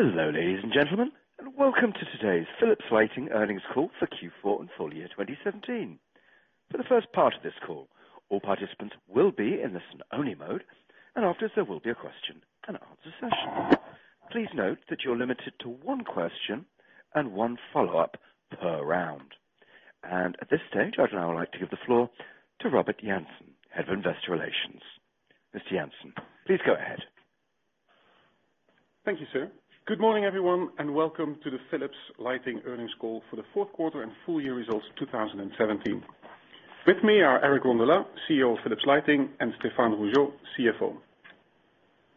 Hello, ladies and gentlemen, and welcome to today's Philips Lighting earnings call for Q4 and full year 2017. For the first part of this call, all participants will be in listen only mode, and after, there will be a question and answer session. Please note that you are limited to one question and one follow-up per round. At this stage, I would now like to give the floor to Robin Jansen, head of investor relations. Mr. Jansen, please go ahead. Thank you, sir. Good morning, everyone, and welcome to the Philips Lighting earnings call for the fourth quarter and full year results of 2017. With me are Eric Rondolat, CEO of Philips Lighting, and Stéphane Rougeot, CFO.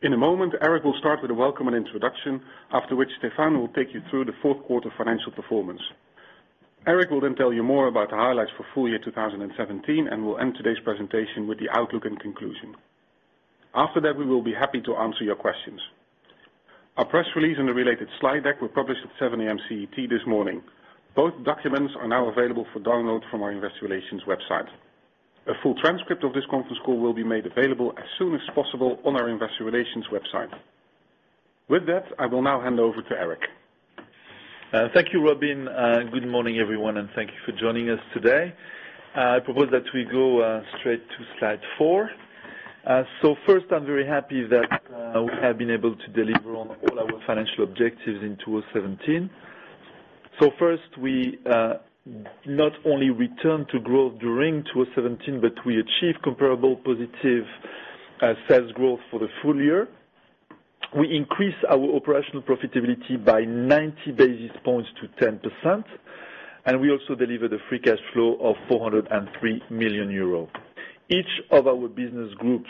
In a moment, Eric will start with a welcome and introduction, after which Stéphane will take you through the fourth quarter financial performance. Eric will tell you more about the highlights for full year 2017 and will end today's presentation with the outlook and conclusion. After that, we will be happy to answer your questions. Our press release and the related slide deck were published at 7:00 A.M. CET this morning. Both documents are now available for download from our investor relations website. A full transcript of this conference call will be made available as soon as possible on our investor relations website. With that, I will now hand over to Eric. Thank you, Robin. Good morning, everyone, and thank you for joining us today. I propose that we go straight to slide four. First, I'm very happy that we have been able to deliver on all our financial objectives in 2017. First, we not only return to growth during 2017, but we achieve comparable positive sales growth for the full year. We increase our operational profitability by 90 basis points to 10%, and we also deliver the free cash flow of 403 million euro. Each of our business groups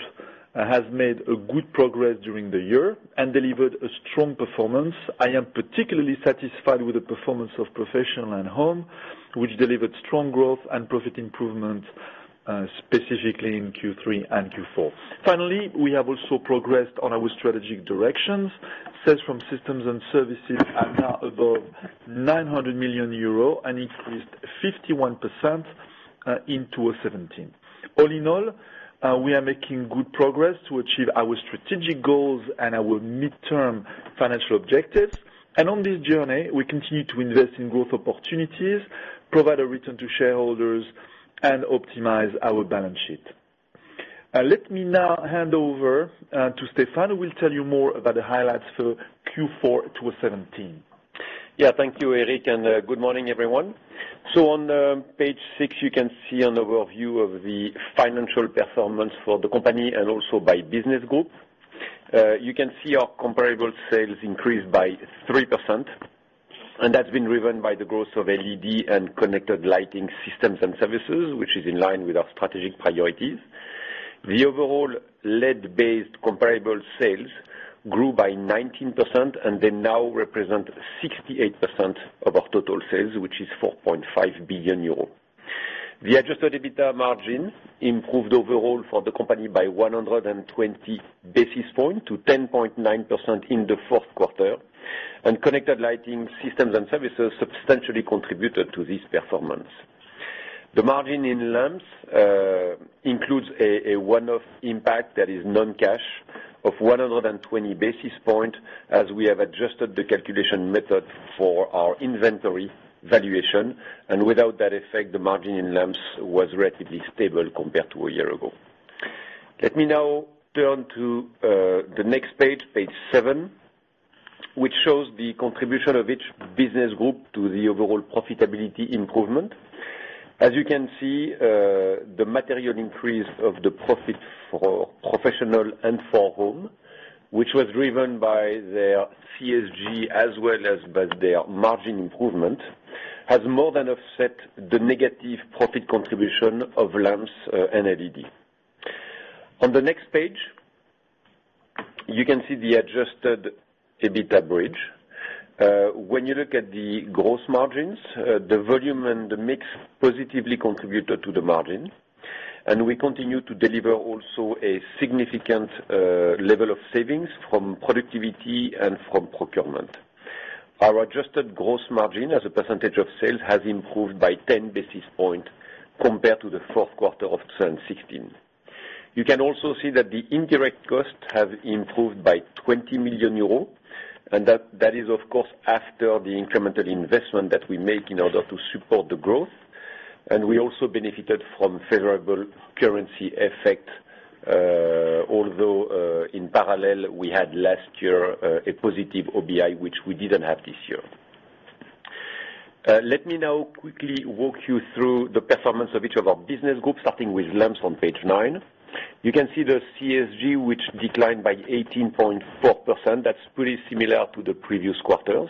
has made good progress during the year and delivered a strong performance. I am particularly satisfied with the performance of Professional and Home, which delivered strong growth and profit improvement, specifically in Q3 and Q4. Finally, we have also progressed on our strategic directions. Sales from systems and services are now above 900 million euro and increased 51% in 2017. All in all, we are making good progress to achieve our strategic goals and our midterm financial objectives. On this journey, we continue to invest in growth opportunities, provide a return to shareholders, and optimize our balance sheet. Let me now hand over to Stéphane, who will tell you more about the highlights for Q4 2017. Thank you, Eric, good morning, everyone. On page six, you can see an overview of the financial performance for the company and also by business group. You can see our comparable sales increased by 3%, and that's been driven by the growth of LED and connected lighting systems and services, which is in line with our strategic priorities. The overall LED-based comparable sales grew by 19% and they now represent 68% of our total sales, which is 4.5 billion euro. The adjusted EBITDA margins improved overall for the company by 120 basis points to 10.9% in the fourth quarter, and connected lighting systems and services substantially contributed to this performance. The margin in lamps includes a one-off impact that is non-cash of 120 basis points, as we have adjusted the calculation method for our inventory valuation. Without that effect, the margin in lamps was relatively stable compared to a year ago. Let me now turn to the next page seven, which shows the contribution of each business group to the overall profitability improvement. As you can see, the material increase of the profit for Professional and for Home, which was driven by their CSG as well as by their margin improvement, has more than offset the negative profit contribution of lamps and LED. On the next page, you can see the adjusted EBITDA bridge. When you look at the gross margins, the volume and the mix positively contributed to the margin, and we continue to deliver also a significant level of savings from productivity and from procurement. Our adjusted gross margin as a percentage of sales has improved by 10 basis points compared to the fourth quarter of 2016. You can also see that the indirect costs have improved by 20 million euros, that is, of course, after the incremental investment that we make in order to support the growth. We also benefited from favorable currency effect, although, in parallel, we had last year a positive OBI, which we didn't have this year. Let me now quickly walk you through the performance of each of our business groups, starting with lamps on page nine. You can see the CSG, which declined by 18.4%. That's pretty similar to the previous quarters.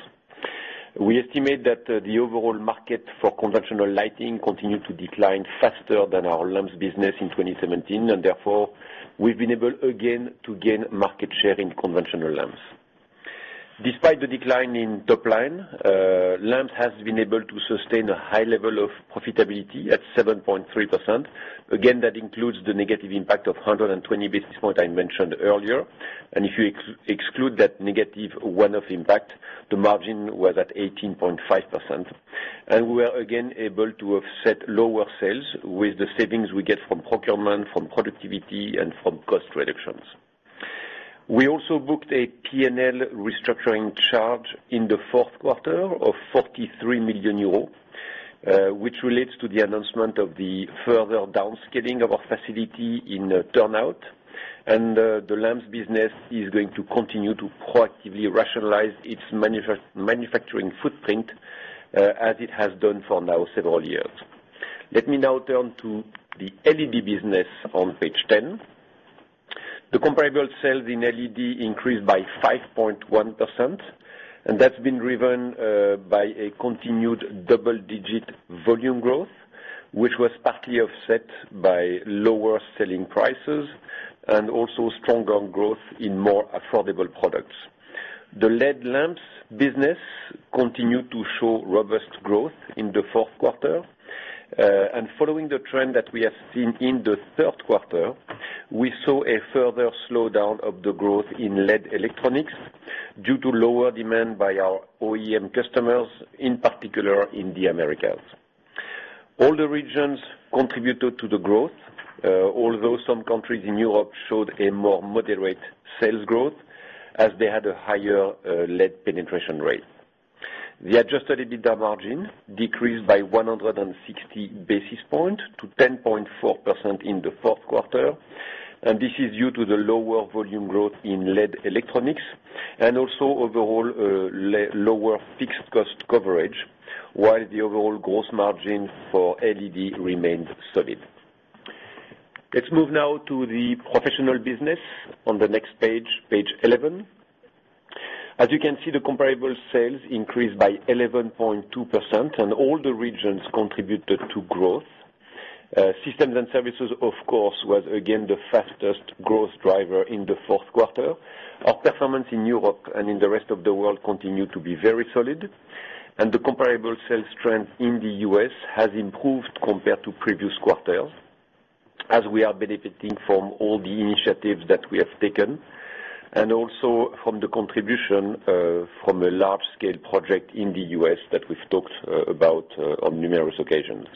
We estimate that the overall market for conventional lighting continued to decline faster than our lamps business in 2017, therefore, we've been able again to gain market share in conventional lamps. Despite the decline in top line, lamps has been able to sustain a high level of profitability at 7.3%. Again, that includes the negative impact of 120 basis points I mentioned earlier. If you exclude that negative one-off impact, the margin was at 18.5%. We are again able to offset lower sales with the savings we get from procurement, from productivity, and from cost reductions. We also booked a P&L restructuring charge in the fourth quarter of 43 million euros, which relates to the announcement of the further down scaling of our facility in Turnhout. The lamps business is going to continue to proactively rationalize its manufacturing footprint as it has done for now several years. Let me now turn to the LED business on page 10. The comparable sales in LED increased by 5.1%, that's been driven by a continued double-digit volume growth, which was partly offset by lower selling prices and also stronger growth in more affordable products. The LED lamps business continued to show robust growth in the fourth quarter. Following the trend that we have seen in the third quarter, we saw a further slowdown of the growth in LED electronics due to lower demand by our OEM customers, in particular in the Americas. All the regions contributed to the growth, although some countries in Europe showed a more moderate sales growth as they had a higher LED penetration rate. The adjusted EBITDA margin decreased by 160 basis points to 10.4% in the fourth quarter. This is due to the lower volume growth in LED electronics and also overall lower fixed cost coverage, while the overall growth margin for LED remained solid. Let's move now to the professional business on the next page 11. As you can see, the comparable sales increased by 11.2% and all the regions contributed to growth. Systems and services, of course, was again the fastest growth driver in the fourth quarter. Our performance in Europe and in the rest of the world continued to be very solid. The comparable sales trend in the U.S. has improved compared to previous quarters as we are benefiting from all the initiatives that we have taken, also from the contribution from a large-scale project in the U.S. that we've talked about on numerous occasions.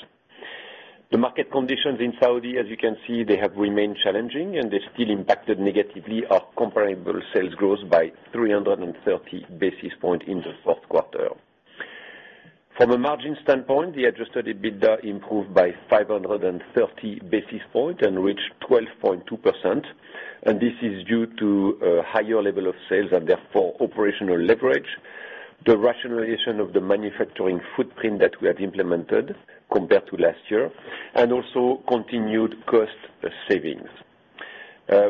The market conditions in Saudi, as you can see, they have remained challenging. They still impacted negatively our comparable sales growth by 330 basis points in the fourth quarter. From a margin standpoint, the adjusted EBITDA improved by 530 basis points and reached 12.2%. This is due to a higher level of sales and therefore operational leverage. The rationalization of the manufacturing footprint that we have implemented compared to last year, also continued cost savings.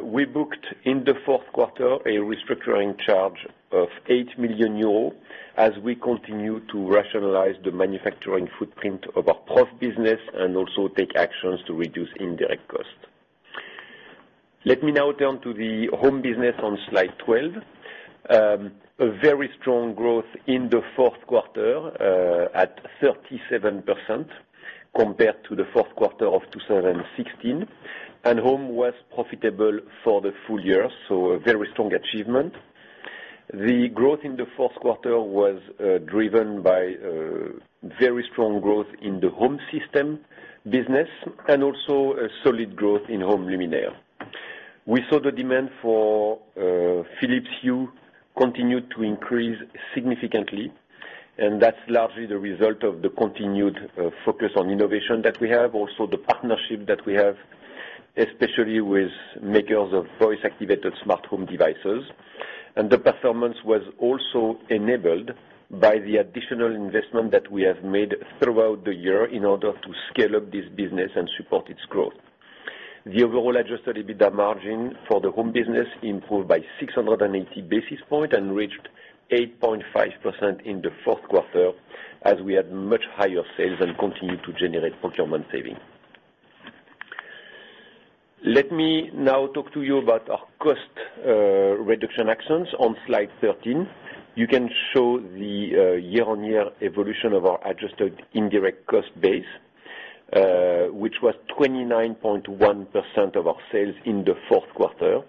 We booked in the fourth quarter a restructuring charge of 8 million euros as we continue to rationalize the manufacturing footprint of our Prof business and also take actions to reduce indirect costs. Let me now turn to the home business on slide 12. A very strong growth in the fourth quarter, at 37% compared to the fourth quarter of 2016. Home was profitable for the full year, a very strong achievement. The growth in the fourth quarter was driven by very strong growth in the home system business and also a solid growth in home luminaire. We saw the demand for Philips Hue continue to increase significantly. That's largely the result of the continued focus on innovation that we have. Also, the partnership that we have, especially with makers of voice-activated smart home devices. The performance was also enabled by the additional investment that we have made throughout the year in order to scale up this business and support its growth. The overall adjusted EBITDA margin for the home business improved by 680 basis points and reached 8.5% in the fourth quarter as we had much higher sales and continued to generate procurement savings. Let me now talk to you about our cost reduction actions on slide 13. You can show the year-on-year evolution of our adjusted indirect cost base, which was 29.1% of our sales in the fourth quarter.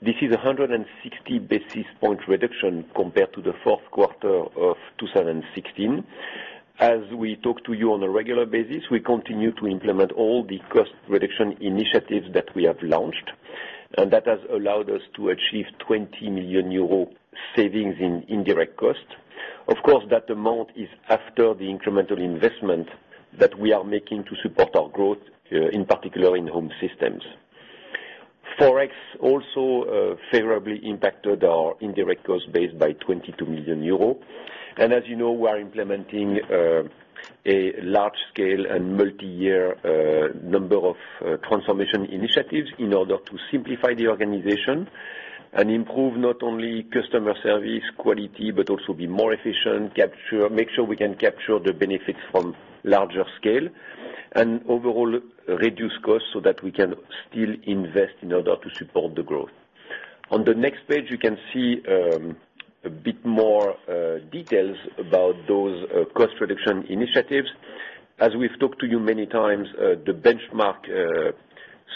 This is 160 basis point reduction compared to the fourth quarter of 2016. As we talk to you on a regular basis, we continue to implement all the cost reduction initiatives that we have launched, that has allowed us to achieve 20 million euro savings in indirect costs. Of course, that amount is after the incremental investment that we are making to support our growth, in particular in home systems. Forex also favorably impacted our indirect cost base by 22 million euros. As you know, we are implementing a large scale and multi-year number of transformation initiatives in order to simplify the organization and improve not only customer service quality, but also be more efficient, make sure we can capture the benefits from larger scale, and overall reduce costs so that we can still invest in order to support the growth. On the next page, you can see a bit more details about those cost reduction initiatives. As we've talked to you many times, the benchmark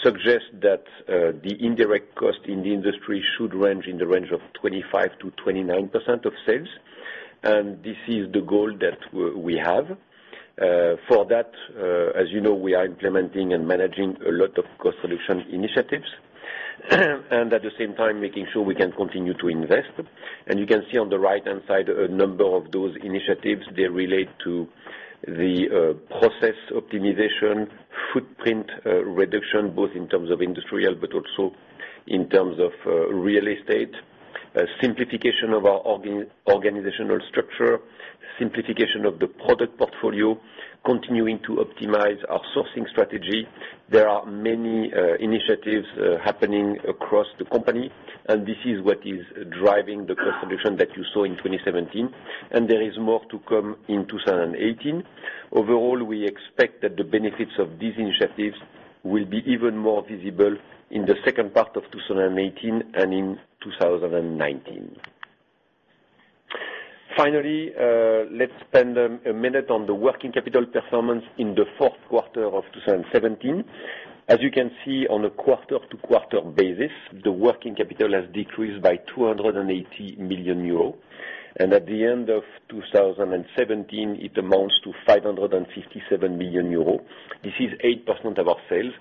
suggests that the indirect cost in the industry should range in the range of 25%-29% of sales, and this is the goal that we have. For that, as you know, we are implementing and managing a lot of cost solution initiatives, and at the same time, making sure we can continue to invest. You can see on the right-hand side, a number of those initiatives, they relate to the process optimization, footprint reduction, both in terms of industrial, but also in terms of real estate, simplification of our organizational structure, simplification of the product portfolio, continuing to optimize our sourcing strategy. There are many initiatives happening across the company, and this is what is driving the cost reduction that you saw in 2017, and there is more to come in 2018. Overall, we expect that the benefits of these initiatives will be even more visible in the second part of 2018 and in 2019. Finally, let's spend a minute on the working capital performance in the fourth quarter of 2017. As you can see on a quarter-to-quarter basis, the working capital has decreased by 280 million euro. At the end of 2017, it amounts to 557 million euro. This is 8% of our sales.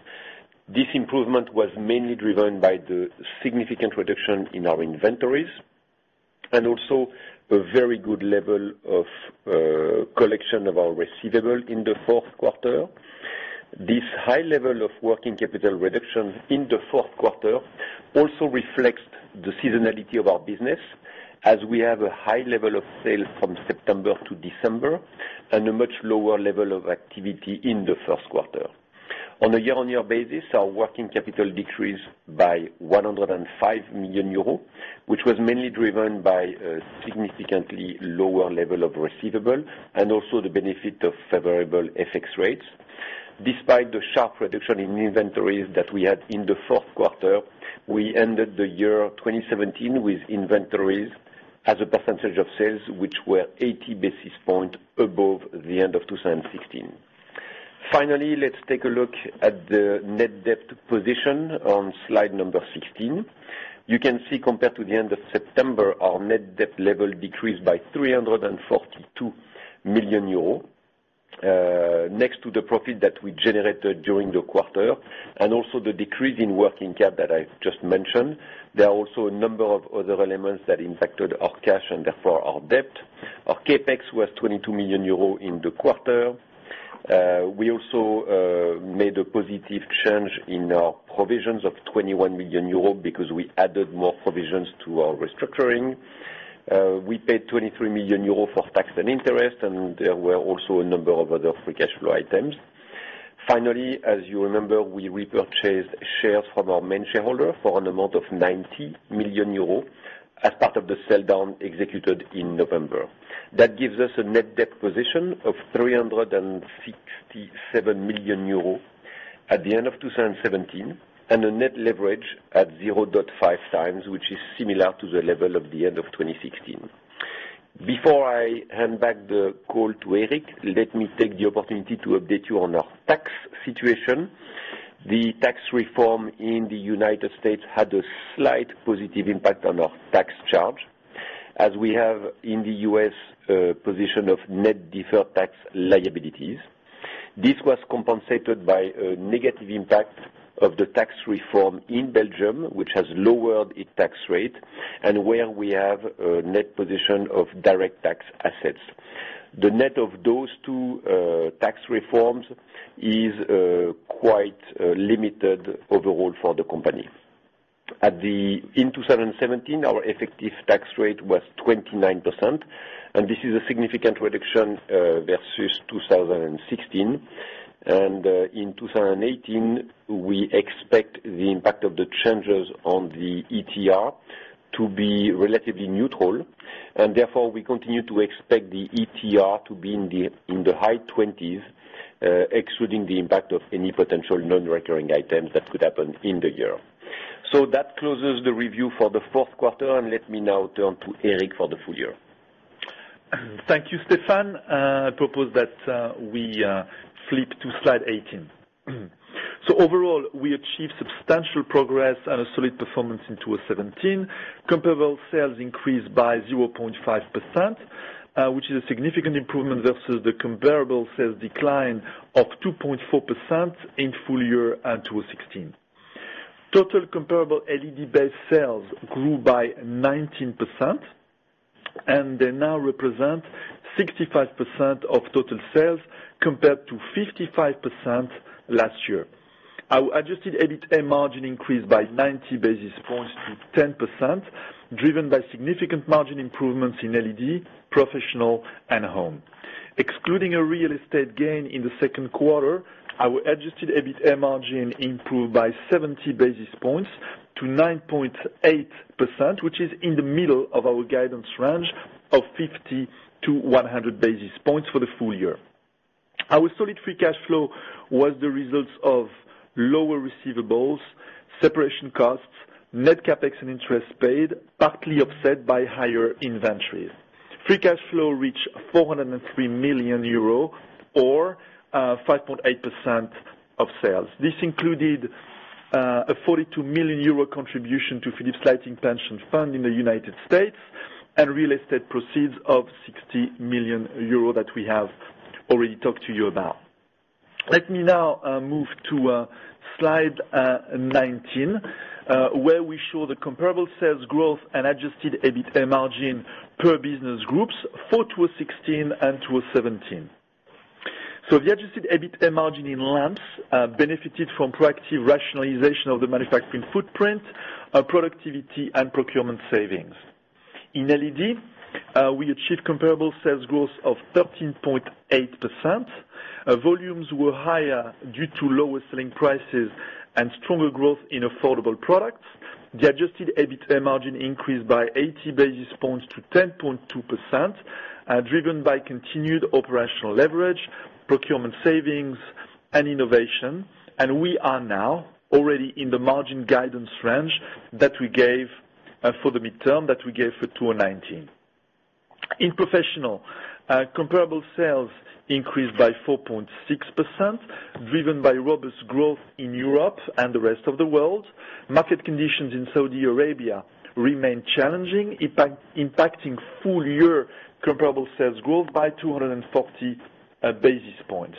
This improvement was mainly driven by the significant reduction in our inventories, and also a very good level of collection of our receivable in the fourth quarter. This high level of working capital reduction in the fourth quarter also reflects the seasonality of our business, as we have a high level of sales from September to December and a much lower level of activity in the first quarter. On a year-on-year basis, our working capital decreased by 105 million euros, which was mainly driven by a significantly lower level of receivable, and also the benefit of favorable FX rates. Despite the sharp reduction in inventories that we had in the fourth quarter, we ended the year 2017 with inventories as a percentage of sales, which were 80 basis points above the end of 2016. Finally, let's take a look at the net debt position on slide number 16. You can see compared to the end of September, our net debt level decreased by 342 million euros. Next to the profit that we generated during the quarter, and also the decrease in working cap that I just mentioned, there are also a number of other elements that impacted our cash and therefore our debt. Our CapEx was 22 million euro in the quarter. We also made a positive change in our provisions of 21 million euro because we added more provisions to our restructuring. We paid 23 million euro for tax and interest. There were also a number of other free cash flow items. Finally, as you remember, we repurchased shares from our main shareholder for an amount of 90 million euros as part of the sell-down executed in November. That gives us a net debt position of 367 million euros at the end of 2017 and a net leverage at 0.5 times, which is similar to the level of the end of 2016. Before I hand back the call to Eric, let me take the opportunity to update you on our tax situation. The tax reform in the United States had a slight positive impact on our tax charge, as we have in the U.S. a position of net deferred tax liabilities. This was compensated by a negative impact of the tax reform in Belgium, which has lowered its tax rate and where we have a net position of direct tax assets. The net of those two tax reforms is quite limited overall for the company. In 2017, our effective tax rate was 29%. This is a significant reduction versus 2016. In 2018, we expect the impact of the changes on the ETR to be relatively neutral. Therefore, we continue to expect the ETR to be in the high 20s, excluding the impact of any potential non-recurring items that could happen in the year. That closes the review for the fourth quarter. Let me now turn to Eric for the full year. Thank you, Stéphane. I propose that we flip to slide 18. Overall, we achieved substantial progress and a solid performance in 2017. Comparable sales increased by 0.5%, which is a significant improvement versus the comparable sales decline of 2.4% in full-year 2016. Total comparable LED-based sales grew by 19%. They now represent 65% of total sales, compared to 55% last year. Our adjusted EBITA margin increased by 90 basis points to 10%, driven by significant margin improvements in LED, professional, and home. Excluding a real estate gain in the second quarter, our adjusted EBITA margin improved by 70 basis points to 9.8%, which is in the middle of our guidance range of 50 to 100 basis points for the full year. Our solid free cash flow was the result of lower receivables Separation costs, net CapEx and interest paid, partly offset by higher inventories. Free cash flow reached 403 million euro or 5.8% of sales. This included a 42 million euro contribution to Philips Lighting Pension Fund in the U.S. and real estate proceeds of 60 million euro that we have already talked to you about. Let me now move to slide 19, where we show the comparable sales growth and adjusted EBITA margin per business groups for 2016 and 2017. The adjusted EBITA margin in lamps benefited from proactive rationalization of the manufacturing footprint, productivity and procurement savings. In LED, we achieved comparable sales growth of 13.8%. Volumes were higher due to lower selling prices and stronger growth in affordable products. The adjusted EBITA margin increased by 80 basis points to 10.2%, driven by continued operational leverage, procurement savings and innovation. We are now already in the margin guidance range that we gave for the midterm, that we gave for 2019. In Professional, comparable sales increased by 4.6%, driven by robust growth in Europe and the rest of the world. Market conditions in Saudi Arabia remain challenging, impacting full-year comparable sales growth by 240 basis points.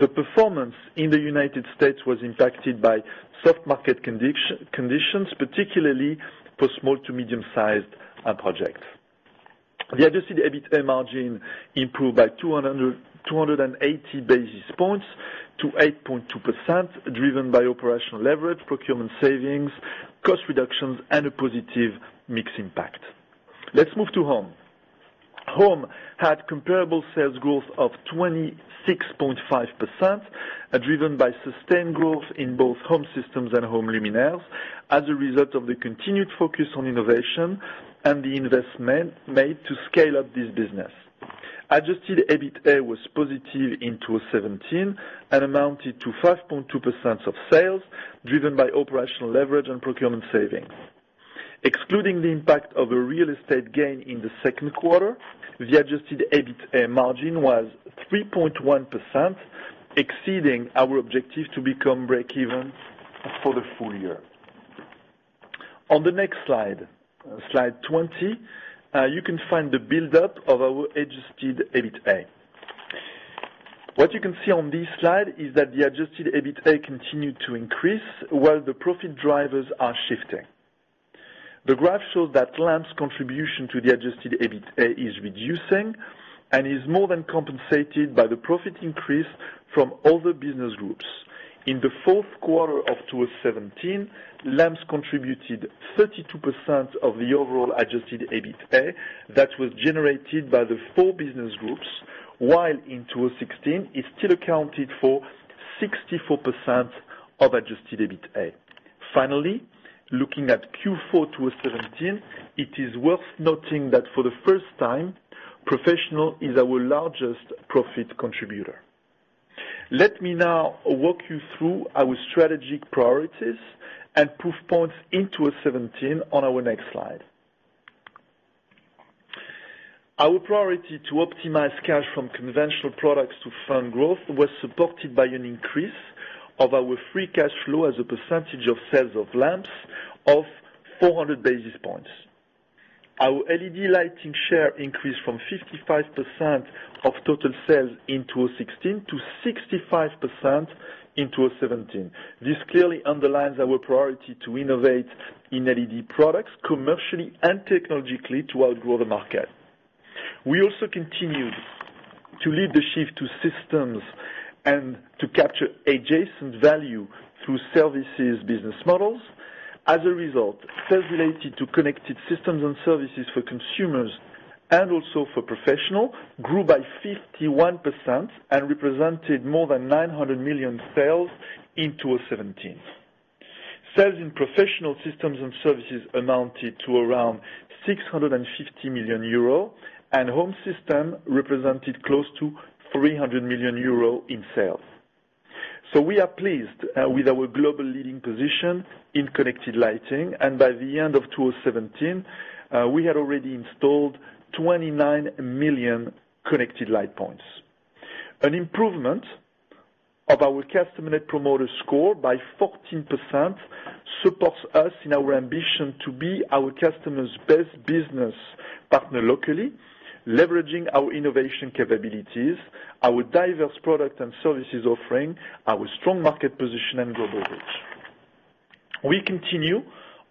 The performance in the U.S. was impacted by soft market conditions, particularly for small to medium-sized projects. The adjusted EBITA margin improved by 280 basis points to 8.2%, driven by operational leverage, procurement savings, cost reductions, and a positive mix impact. Let's move to Home. Home had comparable sales growth of 26.5%, driven by sustained growth in both home systems and home luminaires as a result of the continued focus on innovation and the investment made to scale up this business. Adjusted EBITA was positive in 2017 and amounted to 5.2% of sales, driven by operational leverage and procurement savings. Excluding the impact of a real estate gain in the second quarter, the adjusted EBITA margin was 3.1%, exceeding our objective to become breakeven for the full year. On the next slide 20, you can find the build-up of our adjusted EBITA. What you can see on this slide is that the adjusted EBITA continued to increase while the profit drivers are shifting. The graph shows that lamps contribution to the adjusted EBITA is reducing and is more than compensated by the profit increase from other business groups. In the fourth quarter of 2017, lamps contributed 32% of the overall adjusted EBITA that was generated by the four business groups, while in 2016, it still accounted for 64% of adjusted EBITA. Finally, looking at Q4 2017, it is worth noting that for the first time, Professional is our largest profit contributor. Let me now walk you through our strategic priorities and proof points into 2017 on our next slide. Our priority to optimize cash from conventional products to fund growth was supported by an increase of our free cash flow as a percentage of sales of lamps of 400 basis points. Our LED lighting share increased from 55% of total sales in 2016 to 65% in 2017. This clearly underlines our priority to innovate in LED products commercially and technologically to outgrow the market. We also continued to lead the shift to systems and to capture adjacent value through services business models. As a result, sales related to connected systems and services for consumers and also for Professional, grew by 51% and represented more than 900 million sales in 2017. Sales in Professional systems and services amounted to around 650 million euro, and Home system represented close to 300 million euro in sales. We are pleased with our global leading position in connected lighting, and by the end of 2017, we had already installed 29 million connected light points. An improvement of our customer net promoter score by 14% supports us in our ambition to be our customer's best business partner locally, leveraging our innovation capabilities, our diverse product and services offering, our strong market position and global reach. We continue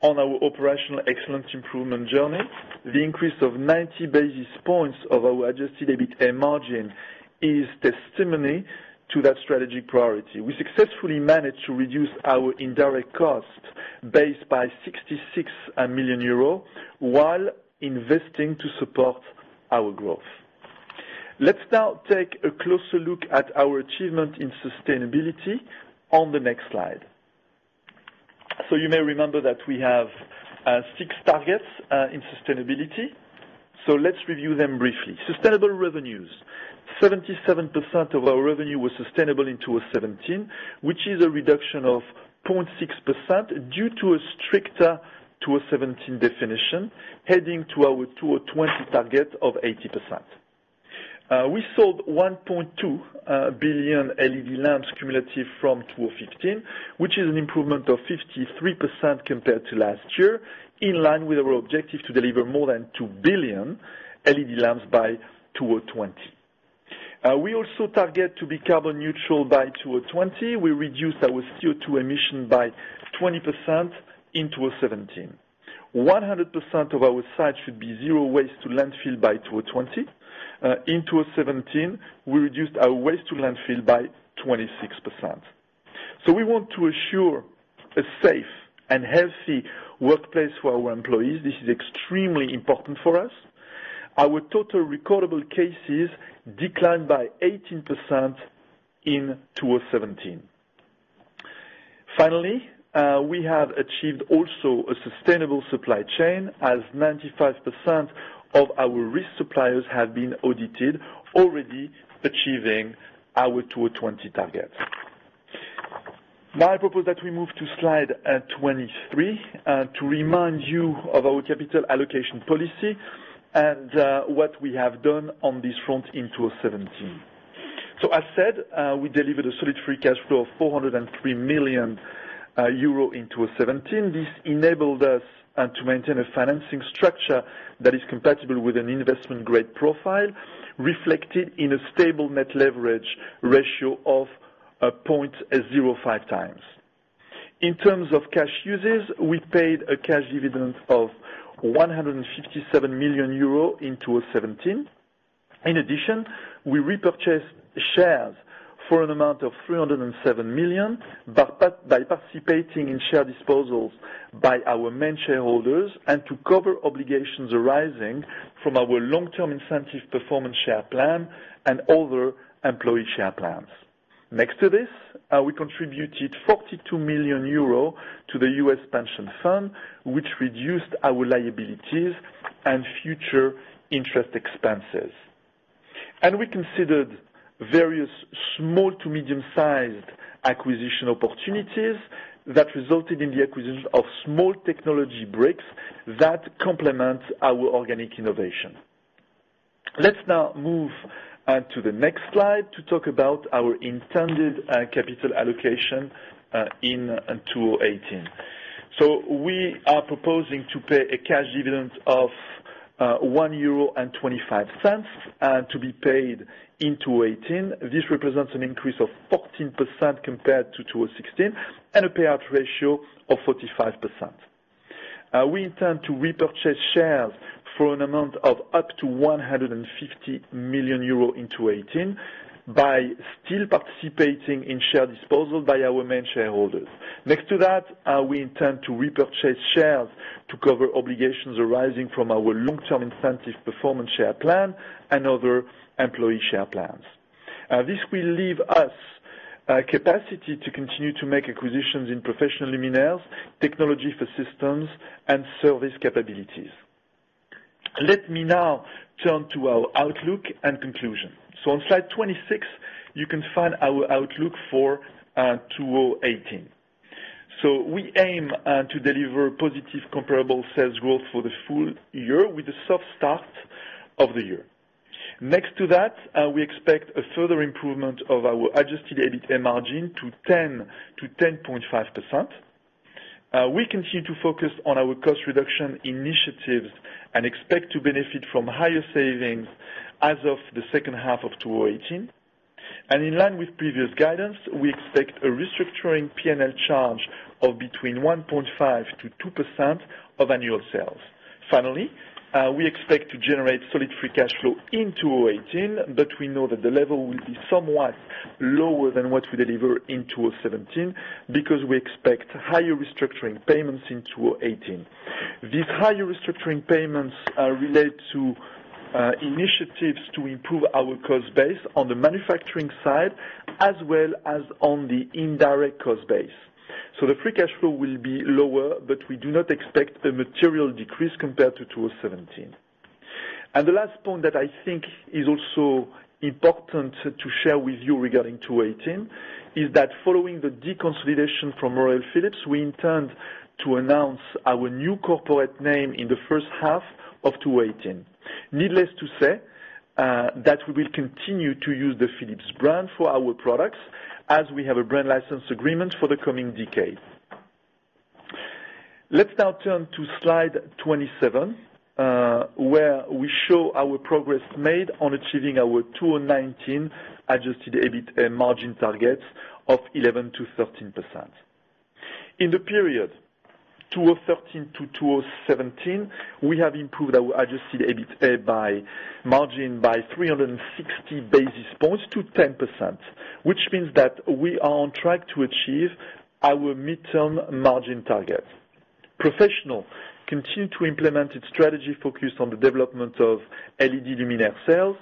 on our operational excellence improvement journey. The increase of 90 basis points of our adjusted EBITA margin is testimony to that strategic priority. We successfully managed to reduce our indirect cost base by 66 million euros while investing to support our growth. Let's now take a closer look at our achievement in sustainability on the next slide. You may remember that we have six targets in sustainability. Let's review them briefly. Sustainable revenues. 77% of our revenue was sustainable in 2017, which is a reduction of 0.6% due to a stricter 2017 definition, heading to our 2020 target of 80%. We sold 1.2 billion LED lamps cumulative from 2015, which is an improvement of 53% compared to last year, in line with our objective to deliver more than 2 billion LED lamps by 2020. We also target to be carbon neutral by 2020. We reduced our CO2 emission by 20% in 2017. 100% of our sites should be zero waste to landfill by 2020. In 2017, we reduced our waste to landfill by 26%. We want to assure a safe and healthy workplace for our employees. This is extremely important for us. Our total recordable cases declined by 18% in 2017. Finally, we have achieved also a sustainable supply chain as 95% of our risk suppliers have been audited, already achieving our 2020 targets. I propose that we move to slide 23, to remind you of our capital allocation policy and what we have done on this front in 2017. As said, we delivered a solid free cash flow of 403 million euro in 2017. This enabled us to maintain a financing structure that is compatible with an investment-grade profile, reflected in a stable net leverage ratio of 0.5x. In terms of cash uses, we paid a cash dividend of 157 million euro in 2017. In addition, we repurchased shares for an amount of 307 million by participating in share disposals by our main shareholders and to cover obligations arising from our long-term incentive performance share plan and other employee share plans. Next to this, we contributed 42 million euro to the U.S. pension fund, which reduced our liabilities and future interest expenses. And we considered various small to medium-sized acquisition opportunities that resulted in the acquisition of small technology bricks that complement our organic innovation. Let's now move on to the next slide to talk about our intended capital allocation in 2018. We are proposing to pay a cash dividend of 1.25 euro to be paid in 2018. This represents an increase of 14% compared to 2016, and a payout ratio of 45%. We intend to repurchase shares for an amount of up to 150 million euro in 2018 by still participating in share disposal by our main shareholders. Next to that, we intend to repurchase shares to cover obligations arising from our long-term incentive performance share plan and other employee share plans. This will leave us capacity to continue to make acquisitions in professional luminaires, technology for systems and service capabilities. Let me now turn to our outlook and conclusion. On slide 26, you can find our outlook for 2018. Next to that, we expect a further improvement of our adjusted EBIT margin to 10%-10.5%. We continue to focus on our cost reduction initiatives and expect to benefit from higher savings as of the second half of 2018. In line with previous guidance, we expect a restructuring P&L charge of between 1.5%-2% of annual sales. Finally, we expect to generate solid free cash flow in 2018. We know that the level will be somewhat lower than what we deliver in 2017 because we expect higher restructuring payments in 2018. These higher restructuring payments are related to initiatives to improve our cost base on the manufacturing side, as well as on the indirect cost base. The free cash flow will be lower. We do not expect a material decrease compared to 2017. The last point that I think is also important to share with you regarding 2018 is that following the deconsolidation from Royal Philips, we intend to announce our new corporate name in the first half of 2018. Needless to say, that we will continue to use the Philips brand for our products as we have a brand license agreement for the coming decade. Let's now turn to slide 27, where we show our progress made on achieving our 2019 adjusted EBITA margin targets of 11%-13%. In the period 2013-2017, we have improved our adjusted EBITA margin by 360 basis points to 10%, which means that we are on track to achieve our midterm margin target. Professional continued to implement its strategy focused on the development of LED luminaire sales,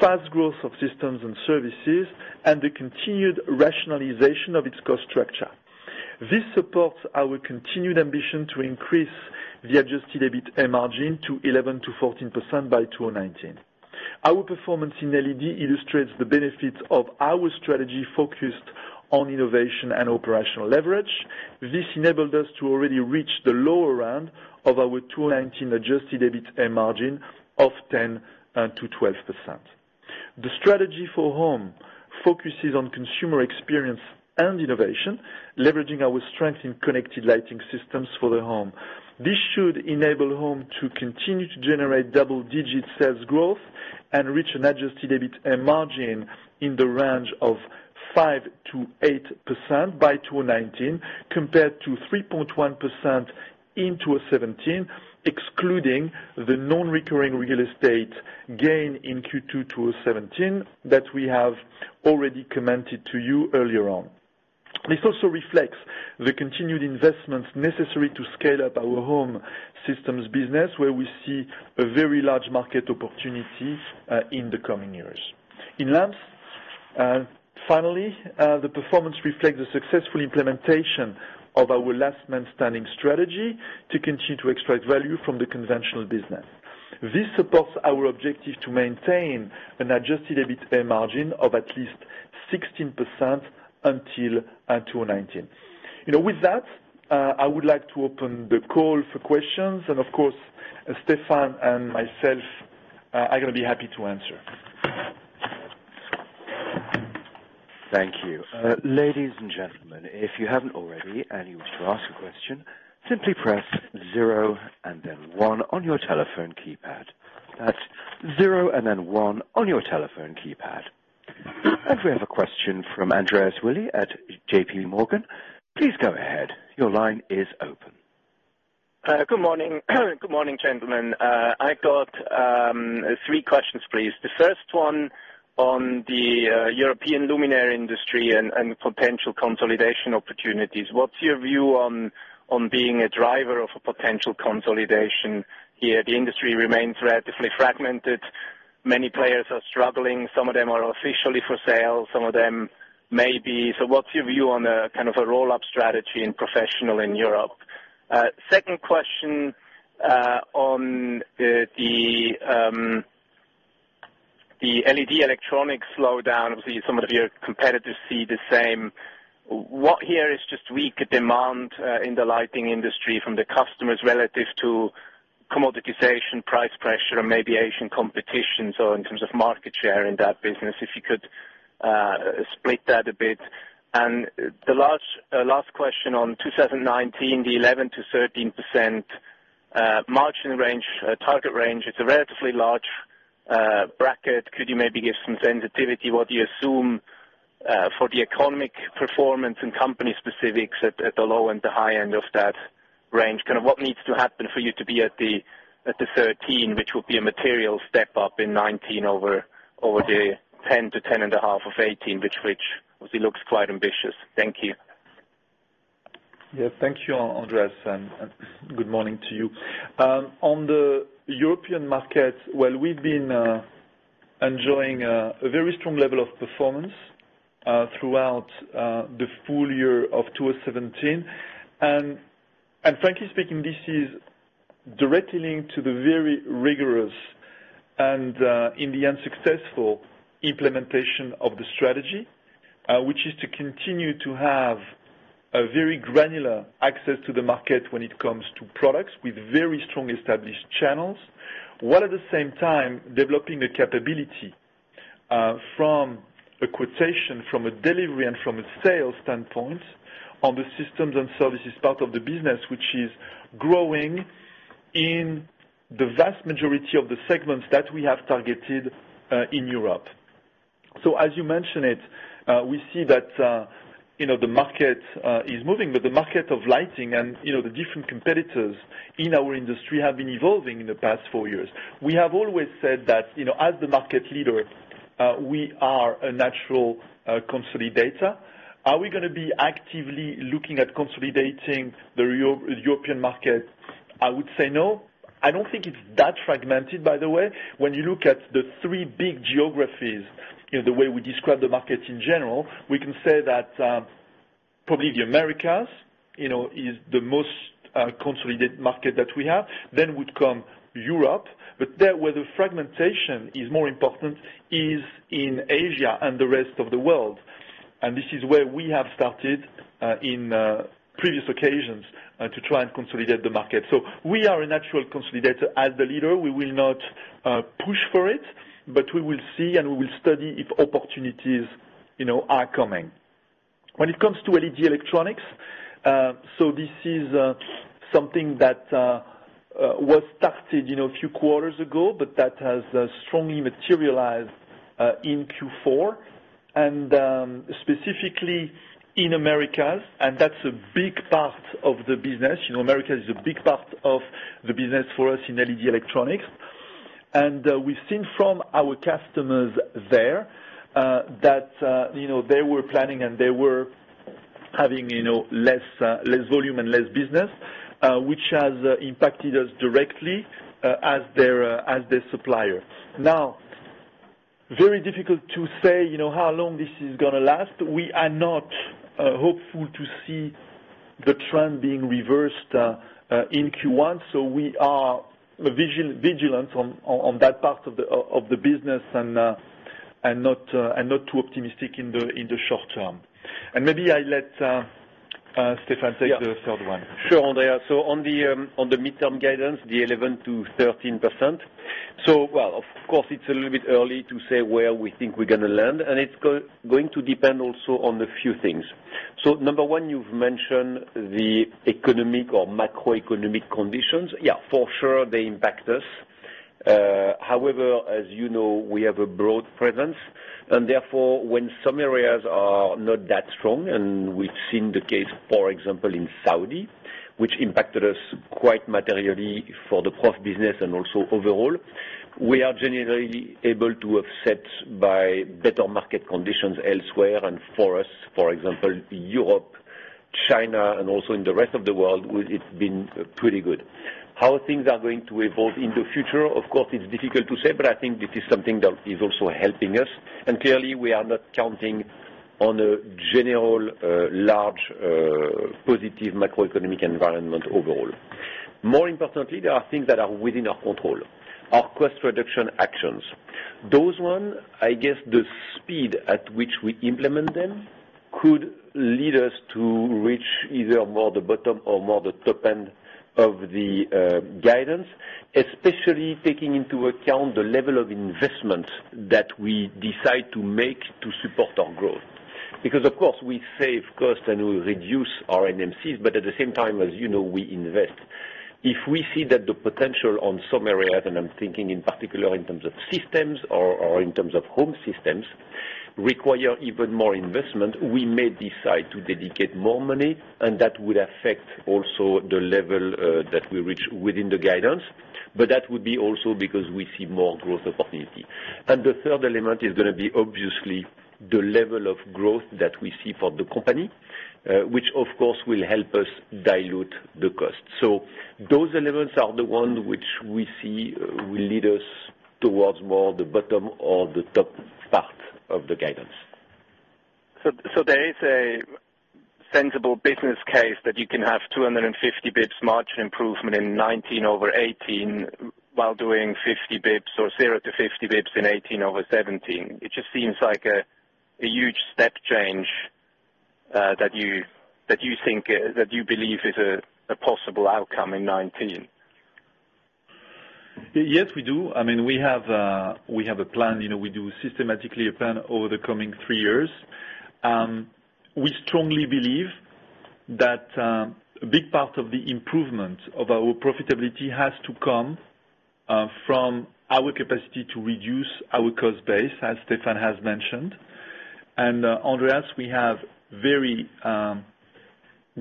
fast growth of systems and services, and the continued rationalization of its cost structure. This supports our continued ambition to increase the adjusted EBITA margin to 11%-14% by 2019. Our performance in LED illustrates the benefits of our strategy focused on innovation and operational leverage. This enabled us to already reach the lower end of our 2019 adjusted EBITA margin of 10%-12%. The strategy for home focuses on consumer experience and innovation, leveraging our strength in connected lighting systems for the home. This should enable home to continue to generate double-digit sales growth and reach an adjusted EBITA margin in the range of 5%-8% by 2019, compared to 3.1% in 2017, excluding the non-recurring real estate gain in Q2 2017 that we have already commented to you earlier on. This also reflects the continued investments necessary to scale up our home systems business, where we see a very large market opportunity in the coming years. In lamps, finally, the performance reflects the successful implementation of our last man standing strategy to continue to extract value from the conventional business. This supports our objective to maintain an adjusted EBITA margin of at least 16% until 2019. With that, I would like to open the call for questions, and of course, Stéphane and myself are going to be happy to answer. Thank you. Ladies and gentlemen, if you haven't already and you wish to ask a question, simply press zero and then one on your telephone keypad. That is zero and then one on your telephone keypad. We have a question from Andreas Willi at JP Morgan. Please go ahead. Your line is open. Good morning, gentlemen. I got three questions, please. The first one on the European luminaire industry and potential consolidation opportunities. What is your view on being a driver of a potential consolidation here? The industry remains relatively fragmented. Many players are struggling. Some of them are officially for sale, some of them may be. What is your view on a kind of a roll-up strategy in professional in Europe? Second question on the LED electronic slowdown. Obviously, some of your competitors see the same. What here is just weak demand in the lighting industry from the customers relative to commoditization, price pressure, or maybe Asian competition. In terms of market share in that business, if you could split that a bit. The last question on 2019, the 11%-13% margin range, target range. It is a relatively large bracket. Could you maybe give some sensitivity, what you assume for the economic performance and company specifics at the low and the high end of that range? Kind of what needs to happen for you to be at the 13%, which will be a material step up in 2019 over the 10%-10.5% of 2018, which obviously looks quite ambitious. Thank you. Yeah. Thank you, Andreas, and good morning to you. On the European market, well, we've been enjoying a very strong level of performance throughout the full year of 2017. Frankly speaking, this is directly linked to the very rigorous and successful implementation of the strategy, which is to continue to have a very granular access to the market when it comes to products with very strong established channels. While at the same time developing a capability from a quotation, from a delivery, and from a sales standpoint on the systems and services part of the business, which is growing in the vast majority of the segments that we have targeted in Europe. As you mentioned it, we see that the market is moving, but the market of lighting and the different competitors in our industry have been evolving in the past four years. We have always said that as the market leader, we are a natural consolidator. Are we going to be actively looking at consolidating the European market? I would say no. I don't think it's that fragmented, by the way. When you look at the three big geographies, the way we describe the markets in general, we can say that probably the Americas is the most consolidated market that we have, then would come Europe. There where the fragmentation is more important is in Asia and the rest of the world. This is where we have started in previous occasions to try and consolidate the market. We are a natural consolidator. As the leader, we will not push for it, but we will see and we will study if opportunities are coming. When it comes to LED electronics, this is something that was started a few quarters ago, but that has strongly materialized in Q4 and specifically in Americas, and that's a big part of the business. America is a big part of the business for us in LED electronics. We've seen from our customers there that they were planning and they were having less volume and less business, which has impacted us directly as their supplier. Very difficult to say how long this is going to last. We are not hopeful to see the trend being reversed in Q1, we are vigilant on that part of the business and not too optimistic in the short term. Maybe I let Stéphane take the third one. Sure, Andreas. On the midterm guidance, the 11%-13%. Well, of course, it's a little bit early to say where we think we're going to land, and it's going to depend also on a few things. Number 1, you've mentioned the economic or macroeconomic conditions. Yeah, for sure, they impact us. However, as you know, we have a broad presence, and therefore, when some areas are not that strong, and we've seen the case, for example, in Saudi, which impacted us quite materially for the prof business and also overall. We are generally able to offset by better market conditions elsewhere and for us, for example, Europe, China, and also in the rest of the world, it's been pretty good. How things are going to evolve in the future, of course, it's difficult to say, but I think this is something that is also helping us. Clearly, we are not counting on a general large positive macroeconomic environment overall. More importantly, there are things that are within our control. Our cost reduction actions. Those ones, I guess the speed at which we implement them could lead us to reach either more the bottom or more the top end of the guidance, especially taking into account the level of investment that we decide to make to support our growth. Because of course, we save cost and we reduce our NMCs, but at the same time, as you know, we invest. If we see that the potential on some areas, and I am thinking in particular in terms of systems or in terms of home systems, require even more investment, we may decide to dedicate more money, and that would affect also the level that we reach within the guidance. That would be also because we see more growth opportunity. The third element is going to be obviously the level of growth that we see for the company, which of course, will help us dilute the cost. Those elements are the ones which we see will lead us towards more the bottom or the top part of the guidance. There is a sensible business case that you can have 250 basis points margin improvement in 2019 over 2018 while doing 50 basis points or zero to 50 basis points in 2018 over 2017. It just seems like a huge step change that you believe is a possible outcome in 2019. Yes, we do. We have a plan. We do systematically a plan over the coming three years. We strongly believe that a big part of the improvement of our profitability has to come from our capacity to reduce our cost base, as Stéphane has mentioned. Andreas, we have very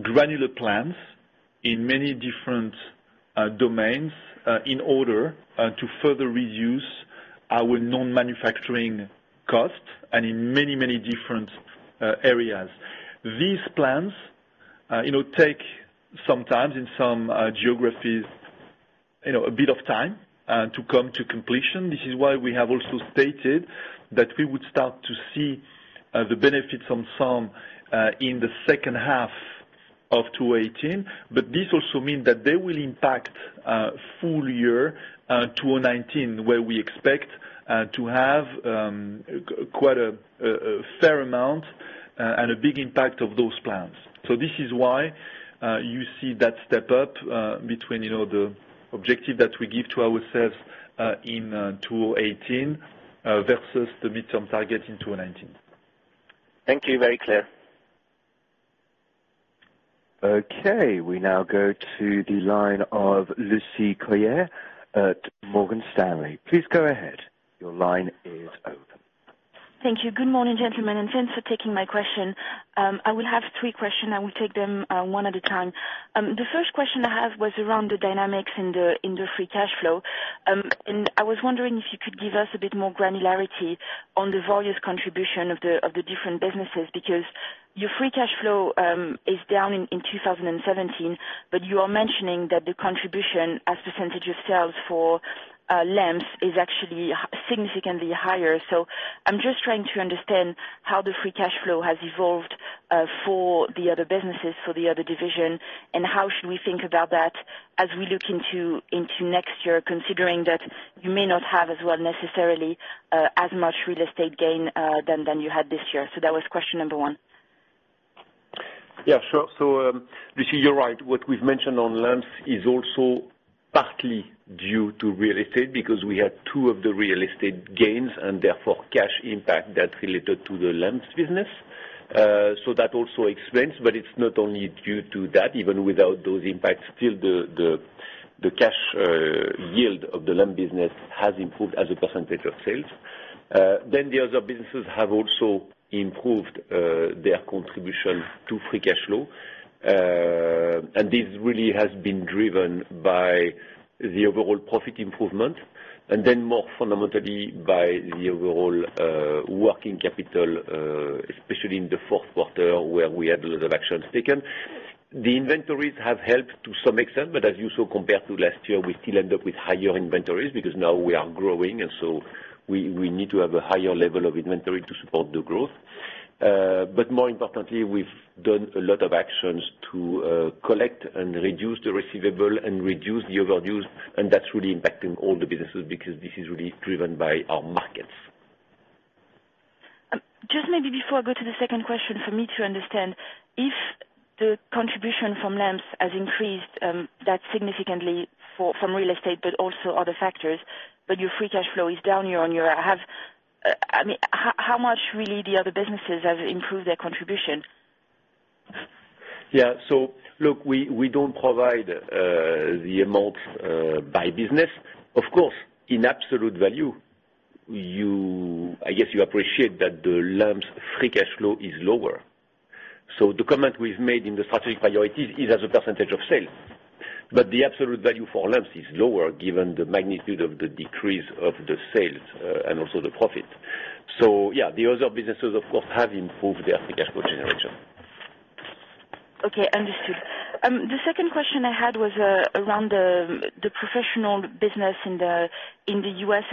granular plans in many different domains in order to further reduce our non-manufacturing cost and in many, many different areas. These plans take sometimes in some geographies a bit of time to come to completion. This is why we have also stated that we would start to see the benefits on some in the second half of 2018. This also mean that they will impact full year 2019, where we expect to have quite a fair amount and a big impact of those plans. This is why you see that step up between the objective that we give to ourselves in 2018 versus the midterm target in 2019. Thank you. Very clear. We now go to the line of Lucie Carrier at Morgan Stanley. Please go ahead. Your line is open. Thank you. Good morning, gentlemen, and thanks for taking my question. I will have three questions. I will take them one at a time. The first question I have was around the dynamics in the free cash flow. I was wondering if you could give us a bit more granularity on the various contribution of the different businesses, because your free cash flow is down in 2017, but you are mentioning that the contribution as a % of sales for lamps is actually significantly higher. I'm just trying to understand how the free cash flow has evolved for the other businesses, for the other division, and how should we think about that as we look into next year, considering that you may not have as well, necessarily, as much real estate gain than you had this year. That was question number one. Yeah, sure. Lucie, you're right. What we've mentioned on lamps is also partly due to real estate because we had two of the real estate gains, and therefore cash impact that related to the lamps business. That also explains, but it's not only due to that. Even without those impacts, still the cash yield of the lamps business has improved as a percentage of sales. The other businesses have also improved their contribution to free cash flow. This really has been driven by the overall profit improvement and more fundamentally by the overall working capital, especially in the fourth quarter, where we had a lot of actions taken. The inventories have helped to some extent, but as you saw, compared to last year, we still end up with higher inventories because now we are growing, we need to have a higher level of inventory to support the growth. More importantly, we've done a lot of actions to collect and reduce the receivable and reduce the overages. That's really impacting all the businesses because this is really driven by our markets. Just maybe before I go to the second question, for me to understand, if the contribution from lamps has increased that significantly from real estate but also other factors, but your free cash flow is down year-on-year, how much really the other businesses have improved their contribution? Yeah. Look, we don't provide the amounts by business. Of course, in absolute value, I guess you appreciate that the lamps free cash flow is lower. The comment we've made in the strategic priorities is as a percentage of sales, but the absolute value for lamps is lower given the magnitude of the decrease of the sales and also the profit. Yeah, the other businesses, of course, have improved their free cash flow generation. Okay, understood. The second question I had was around the professional business in the U.S.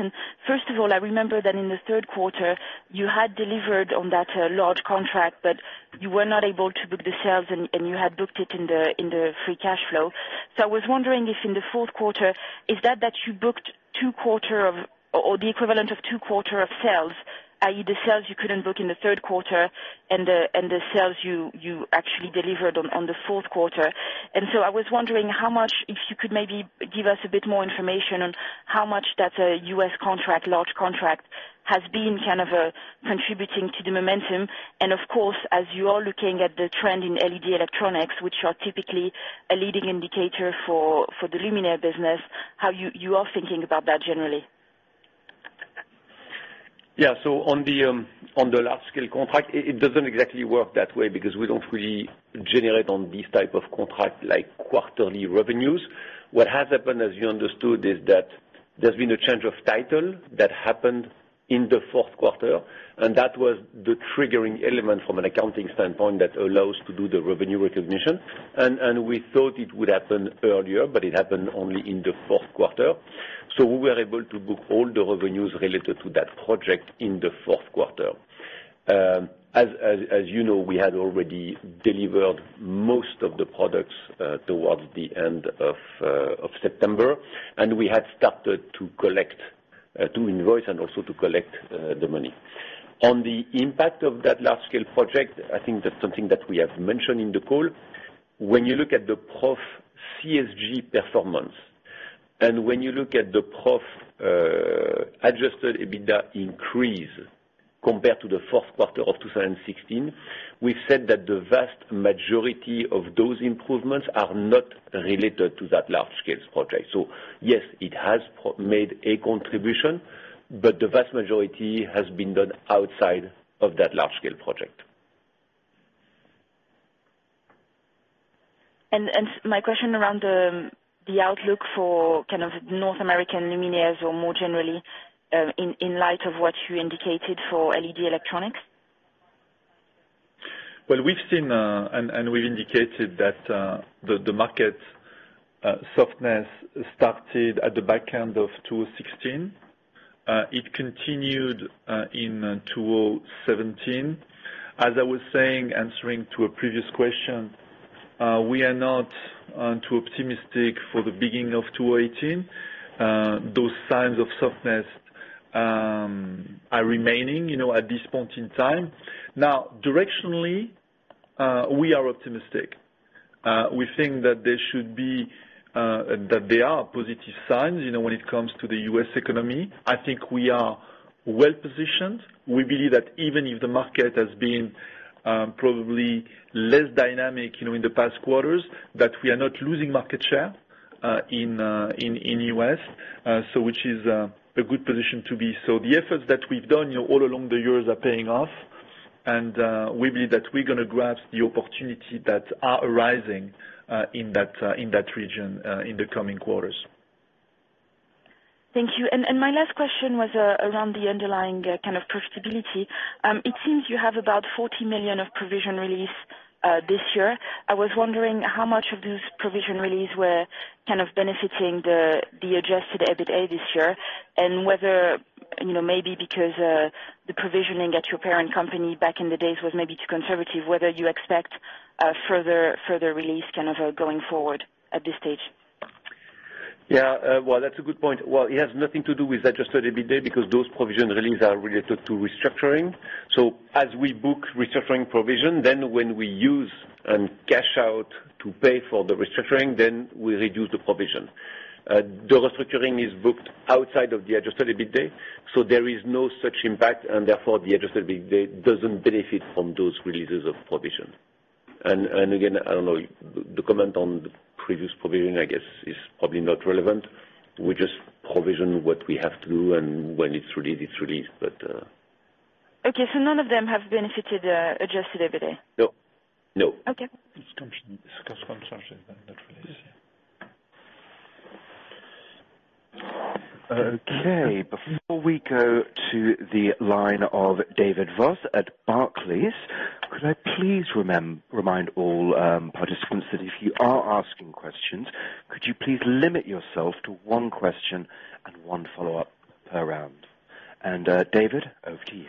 First of all, I remember that in the third quarter you had delivered on that large contract, but you were not able to book the sales, and you had booked it in the free cash flow. I was wondering if in the fourth quarter, is that you booked two quarter or the equivalent of two quarter of sales, i.e., the sales you couldn't book in the third quarter and the sales you actually delivered on the fourth quarter. I was wondering how much, if you could maybe give us a bit more information on how much that U.S. contract, large contract, has been kind of contributing to the momentum. Of course, as you are looking at the trend in LED electronics, which are typically a leading indicator for the luminaire business, how you are thinking about that generally. On the large scale contract, it doesn't exactly work that way because we don't really generate on these type of contract like quarterly revenues. What has happened, as you understood, is that there's been a change of title that happened in the fourth quarter, and that was the triggering element from an accounting standpoint that allows to do the revenue recognition. We thought it would happen earlier, but it happened only in the fourth quarter. We were able to book all the revenues related to that project in the fourth quarter. As you know, we had already delivered most of the products towards the end of September, and we had started to invoice and also to collect the money. On the impact of that large scale project, I think that's something that we have mentioned in the call. When you look at the prof CSG performance, when you look at the prof adjusted EBITDA increase compared to the fourth quarter of 2016, we've said that the vast majority of those improvements are not related to that large scale project. Yes, it has made a contribution, but the vast majority has been done outside of that large-scale project. My question around the outlook for North American luminaires or more generally, in light of what you indicated for LED electronics. Well, we've seen, and we've indicated that the market softness started at the back end of 2016. It continued in 2017. As I was saying, answering to a previous question, we are not too optimistic for the beginning of 2018. Those signs of softness are remaining at this point in time. Now, directionally, we are optimistic. We think that there are positive signs when it comes to the U.S. economy. I think we are well-positioned. We believe that even if the market has been probably less dynamic in the past quarters, that we are not losing market share in U.S., which is a good position to be. The efforts that we've done all along the years are paying off, and we believe that we're going to grasp the opportunity that are arising in that region in the coming quarters. Thank you. My last question was around the underlying kind of profitability. It seems you have about 40 million of provision release this year. I was wondering how much of those provision release were kind of benefiting the adjusted EBITA this year and whether, maybe because the provisioning at your parent company back in the days was maybe too conservative, whether you expect further release going forward at this stage. Yeah. Well, that's a good point. Well, it has nothing to do with adjusted EBITA, because those provision release are related to restructuring. As we book restructuring provision, when we use and cash out to pay for the restructuring, we reduce the provision. The restructuring is booked outside of the adjusted EBITA, there is no such impact, and therefore, the adjusted EBITA doesn't benefit from those releases of provision. Again, I don't know, the comment on the previous provision, I guess, is probably not relevant. We just provision what we have to do, and when it's released, it's released. Okay, none of them have benefited adjusted EBITA? No. Okay. It's cash flow naturally. Okay. Before we go to the line of David Vos at Barclays, could I please remind all participants that if you are asking questions, could you please limit yourself to one question and one follow-up per round. David, over to you.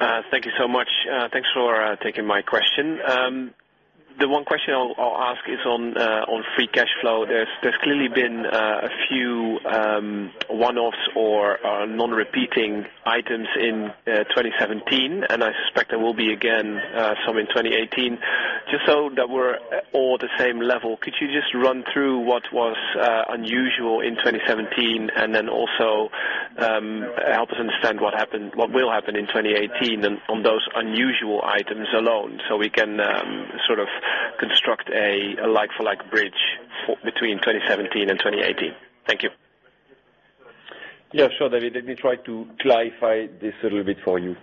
Thank you so much. Thanks for taking my question. The one question I'll ask is on free cash flow. There's clearly been a few one-offs or non-repeating items in 2017, and I suspect there will be again some in 2018. Just so that we're all the same level, could you just run through what was unusual in 2017 and then also help us understand what will happen in 2018 on those unusual items alone so we can sort of construct a like-for-like bridge between 2017 and 2018? Thank you. Yeah, sure, David. Let me try to clarify this a little bit for you.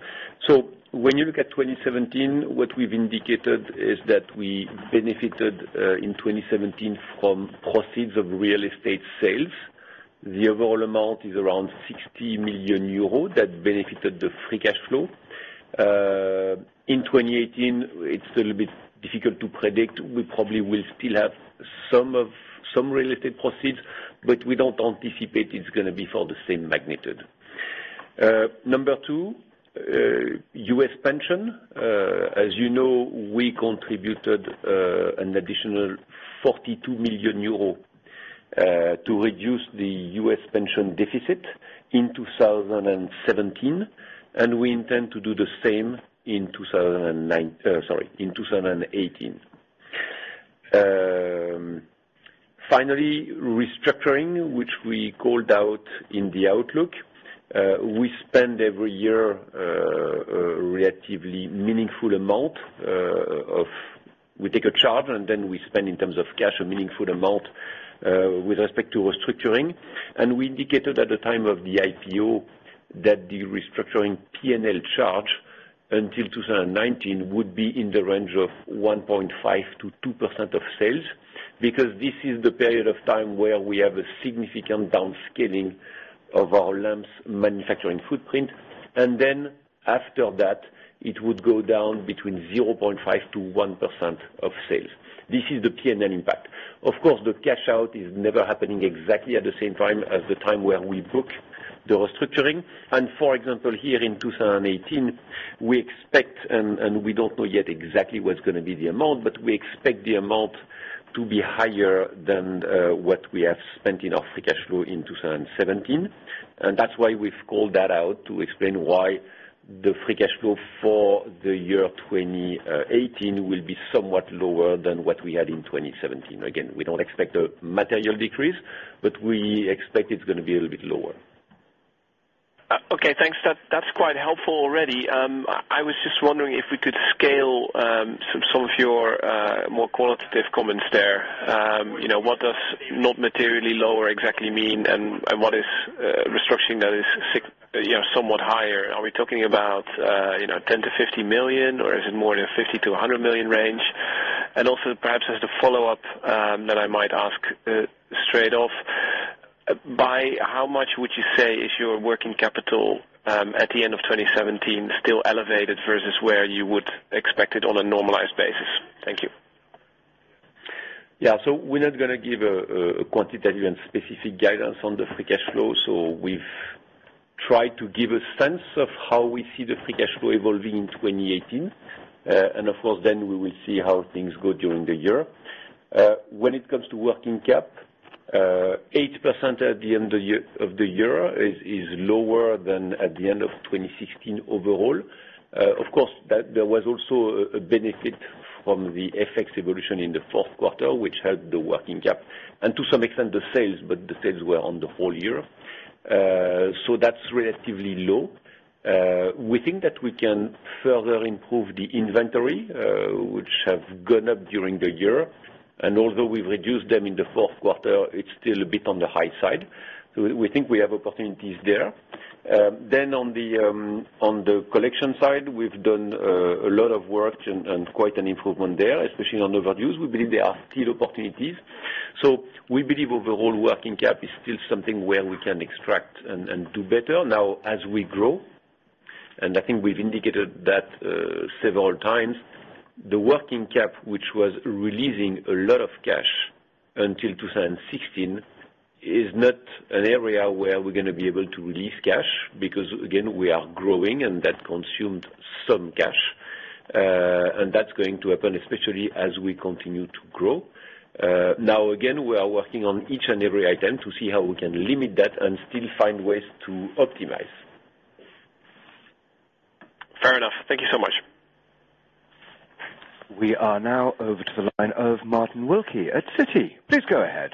When you look at 2017, what we've indicated is that we benefited in 2017 from proceeds of real estate sales. The overall amount is around 60 million euros. That benefited the free cash flow. In 2018, it's a little bit difficult to predict. We probably will still have some related proceeds, but we don't anticipate it's going to be for the same magnitude. Number two, U.S. pension. As you know, we contributed an additional 42 million euros to reduce the U.S. pension deficit in 2017, and we intend to do the same in 2018. Finally, restructuring, which we called out in the outlook. We take a charge, and then we spend in terms of cash, a meaningful amount with respect to restructuring. We indicated at the time of the IPO that the restructuring P&L charge until 2019 would be in the range of 1.5%-2% of sales, because this is the period of time where we have a significant downscaling of our lamps manufacturing footprint. Then after that, it would go down between 0.5%-1% of sales. This is the P&L impact. Of course, the cash out is never happening exactly at the same time as the time where we book the restructuring. For example, here in 2018, we expect, and we don't know yet exactly what's going to be the amount, but we expect the amount to be higher than what we have spent in our free cash flow in 2017. That's why we've called that out, to explain why the free cash flow for the year 2018 will be somewhat lower than what we had in 2017. Again, we don't expect a material decrease, but we expect it's going to be a little bit lower. Okay, thanks. That's quite helpful already. I was just wondering if we could scale some of your more qualitative comments there. What does not materially lower exactly mean, and what is restructuring that is somewhat higher? Are we talking about 10 million-50 million, or is it more in a 50 million-100 million range? Also perhaps as the follow-up that I might ask straight off, by how much would you say is your working capital at the end of 2017 still elevated versus where you would expect it on a normalized basis? Thank you. We're not going to give a quantitative and specific guidance on the free cash flow. We've tried to give a sense of how we see the free cash flow evolving in 2018. Of course, then we will see how things go during the year. When it comes to working cap, 8% at the end of the year is lower than at the end of 2016 overall. Of course, there was also a benefit from the FX evolution in the fourth quarter, which helped the working cap. To some extent, the sales, the sales were on the whole year. That's relatively low. We think that we can further improve the inventory, which have gone up during the year. Although we've reduced them in the fourth quarter, it's still a bit on the high side. We think we have opportunities there. On the collection side, we've done a lot of work and quite an improvement there, especially on overdues. We believe there are still opportunities. We believe overall working cap is still something where we can extract and do better now as we grow, and I think we've indicated that several times. The working cap, which was releasing a lot of cash until 2016, is not an area where we're going to be able to release cash, because again, we are growing, and that consumed some cash. That's going to happen, especially as we continue to grow. Again, we are working on each and every item to see how we can limit that and still find ways to optimize. Fair enough. Thank you so much. We are now over to the line of Martin Wilkie at Citi. Please go ahead.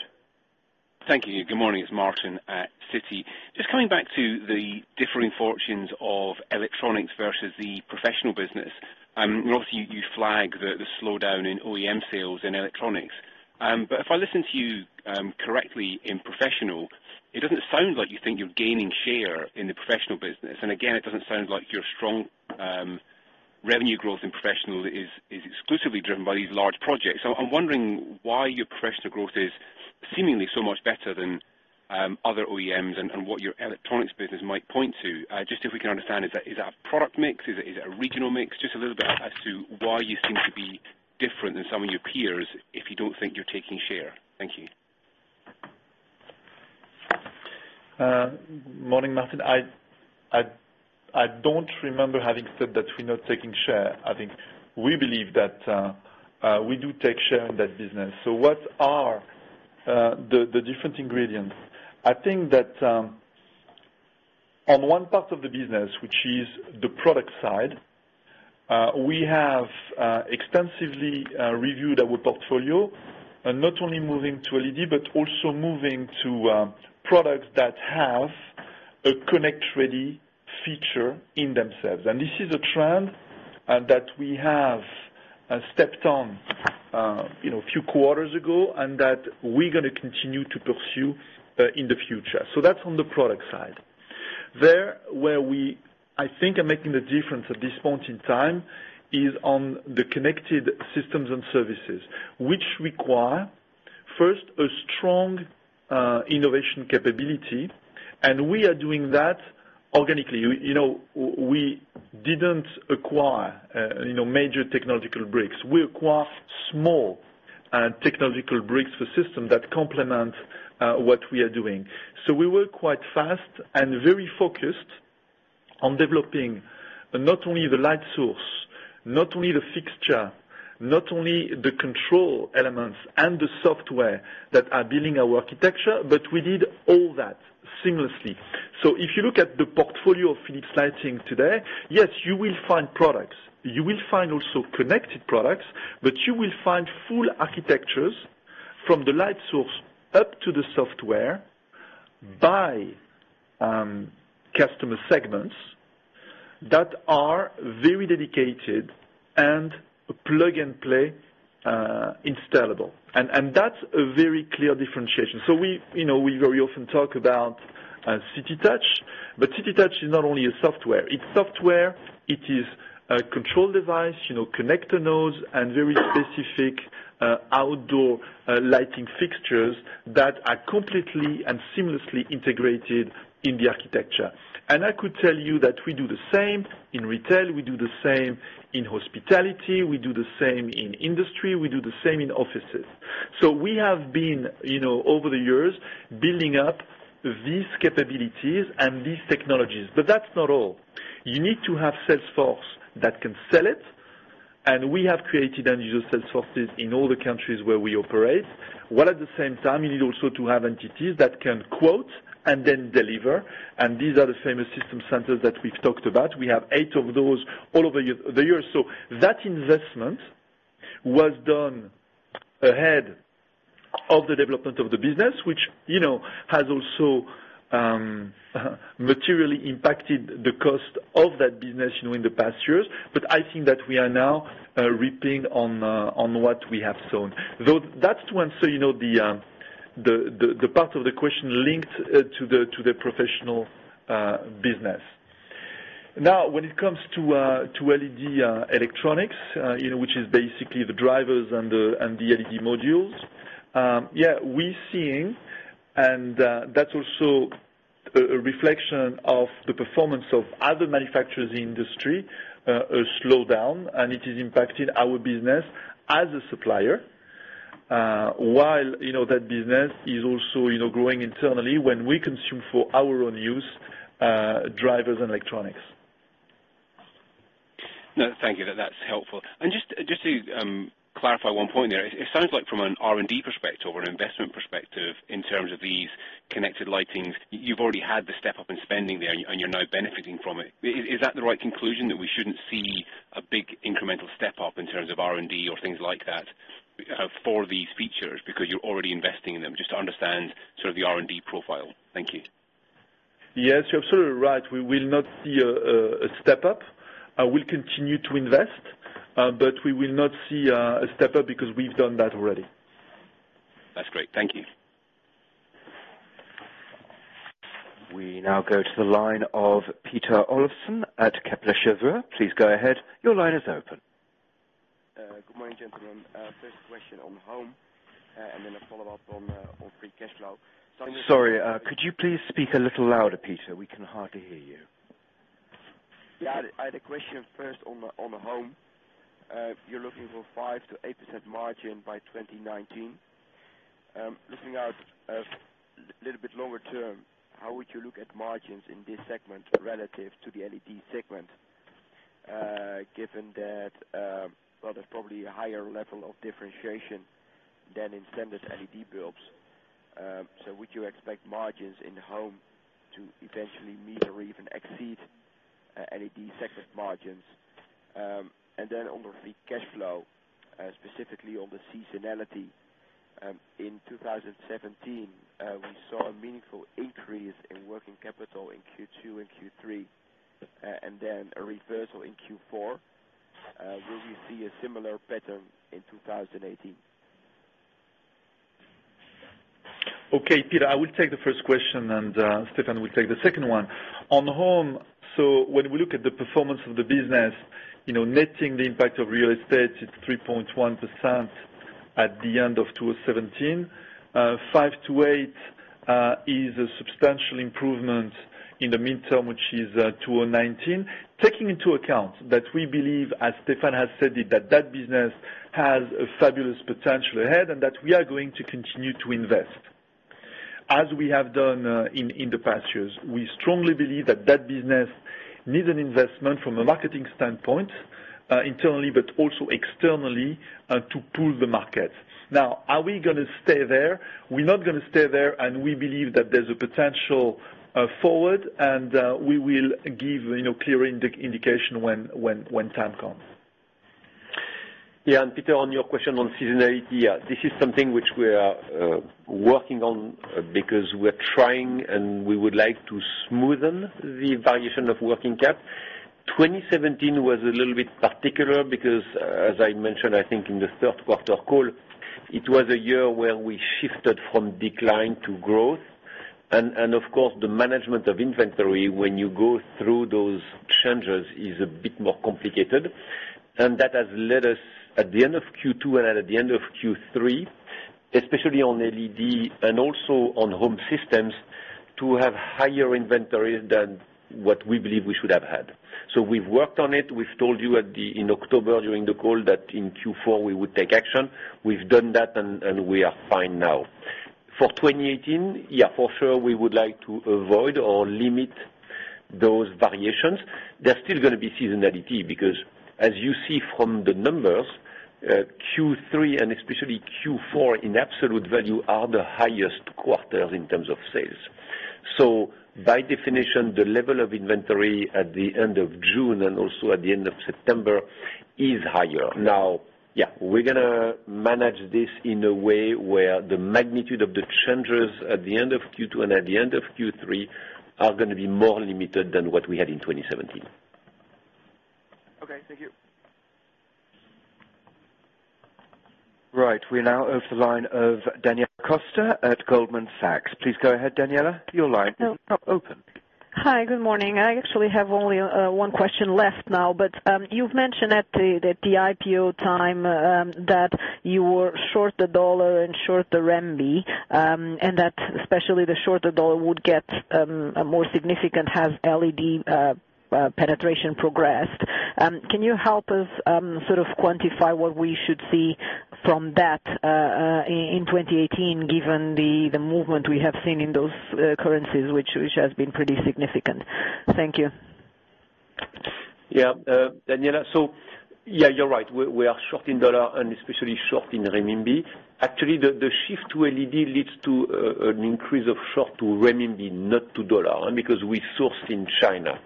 Thank you. Good morning. It is Martin at Citi. Coming back to the differing fortunes of electronics versus the professional business. Obviously, you flagged the slowdown in OEM sales in electronics. If I listen to you correctly in professional, it does not sound like you think you are gaining share in the professional business. Again, it does not sound like your strong revenue growth in professional is exclusively driven by these large projects. I am wondering why your professional growth is seemingly so much better than other OEMs and what your electronics business might point to. Just if we can understand, is that a product mix? Is it a regional mix? Just a little bit as to why you seem to be different than some of your peers, if you do not think you are taking share. Thank you. Morning, Martin. I do not remember having said that we are not taking share. I think we believe that we do take share in that business. What are the different ingredients? I think that on one part of the business, which is the product side, we have extensively reviewed our portfolio. Not only moving to LED, but also moving to products that have a connect-ready feature in themselves. This is a trend that we have stepped on a few quarters ago and that we are going to continue to pursue in the future. That is on the product side. Where we, I think, are making the difference at this point in time is on the connected systems and services. Which require, first, a strong innovation capability, and we are doing that organically. We did not acquire major technological breaks. We acquired small technological breaks for systems that complement what we are doing. We work quite fast and very focused on developing not only the light source, not only the fixture, not only the control elements and the software that are building our architecture, but we did all that seamlessly. If you look at the portfolio of Philips Lighting today, yes, you will find products, you will find also connected products, but you will find full architectures from the light source up to the software by customer segments that are very dedicated and plug-and-play installable. That is a very clear differentiation. We very often talk about CityTouch, but CityTouch is not only a software. It is software, it is a control device, connector nodes, and very specific outdoor lighting fixtures that are completely and seamlessly integrated in the architecture. I could tell you that we do the same in retail, we do the same in hospitality, we do the same in industry, we do the same in offices. We have been, over the years, building up these capabilities and these technologies. That is not all. You need to have sales force that can sell it. We have created unusual sales forces in all the countries where we operate. While at the same time, you need also to have entities that can quote and then deliver. These are the famous system centers that we have talked about. We have eight of those all over the years. That investment was done ahead of the development of the business, which has also materially impacted the cost of that business in the past years. I think that we are now reaping on what we have sown. That's to answer the part of the question linked to the professional business. Now, when it comes to LED electronics, which is basically the drivers and the LED modules. We're seeing, and that's also a reflection of the performance of other manufacturers in the industry, a slowdown, and it is impacting our business as a supplier. While that business is also growing internally when we consume for our own use, drivers and electronics. No, thank you. That's helpful. Just to clarify one point there. It sounds like from an R&D perspective or an investment perspective in terms of these connected lightings, you've already had the step-up in spending there, and you're now benefiting from it. Is that the right conclusion? That we shouldn't see a big incremental step-up in terms of R&D or things like that for these features because you're already investing in them? Just to understand sort of the R&D profile. Thank you. Yes, you're absolutely right. We will not see a step-up. We'll continue to invest, but we will not see a step-up because we've done that already. That's great. Thank you. We now go to the line of Peter Olofsson at Kepler Cheuvreux. Please go ahead. Your line is open. Good morning, gentlemen. First question on home, and then a follow-up on free cash flow. Sorry. Could you please speak a little louder, Peter? We can hardly hear you. Yeah. I had a question first on the home. You're looking for 5%-8% margin by 2019. Looking out a little bit longer term, how would you look at margins in this segment relative to the LED segment, given that there's probably a higher level of differentiation than in standard LED bulbs? Would you expect margins in home to eventually meet or even exceed LED segment margins? On the free cash flow, specifically on the seasonality. In 2017, we saw a meaningful increase in working capital in Q2 and Q3, and then a reversal in Q4. Will we see a similar pattern in 2018? Okay, Peter, I will take the first question. Stéphane will take the second one. When we look at the performance of the business, netting the impact of real estate, it's 3.1% at the end of 2017. 5%-8% is a substantial improvement in the midterm, which is 2019. Taking into account that we believe, as Stéphane has said, that that business has a fabulous potential ahead, and that we are going to continue to invest as we have done in the past years. We strongly believe that that business needs an investment from a marketing standpoint, internally, but also externally, to pull the market. Are we going to stay there? We're not going to stay there, and we believe that there's a potential forward, and we will give clear indication when time comes. Peter, on your question on seasonality. This is something which we are working on because we're trying, and we would like to smoothen the variation of working cap. 2017 was a little bit particular because, as I mentioned, I think in the third quarter call, it was a year where we shifted from decline to growth. Of course, the management of inventory, when you go through those changes, is a bit more complicated. That has led us at the end of Q2 and at the end of Q3, especially on LED and also on home systems, to have higher inventory than what we believe we should have had. We've worked on it. We've told you in October during the call that in Q4 we would take action. We've done that, and we are fine now. For 2018, for sure, we would like to avoid or limit those variations. There's still going to be seasonality because as you see from the numbers, Q3 and especially Q4 in absolute value, are the highest quarters in terms of sales. By definition, the level of inventory at the end of June and also at the end of September is higher. We're going to manage this in a way where the magnitude of the changes at the end of Q2 and at the end of Q3 are going to be more limited than what we had in 2017. Okay. Thank you. Right. We now have the line of Daniela Costa at Goldman Sachs. Please go ahead, Daniela. Your line is now open. Hi. Good morning. I actually have only one question left now. You've mentioned at the IPO time that you were short the dollar and short the renminbi, and that especially the shorter dollar would get more significant have LED penetration progressed. Can you help us sort of quantify what we should see from that in 2018, given the movement we have seen in those currencies, which has been pretty significant. Thank you. Yeah. Daniela. Yeah, you're right. We are short in dollar and especially short in renminbi. Actually, the shift to LED leads to an increase of short to renminbi, not to dollar, because we source in China.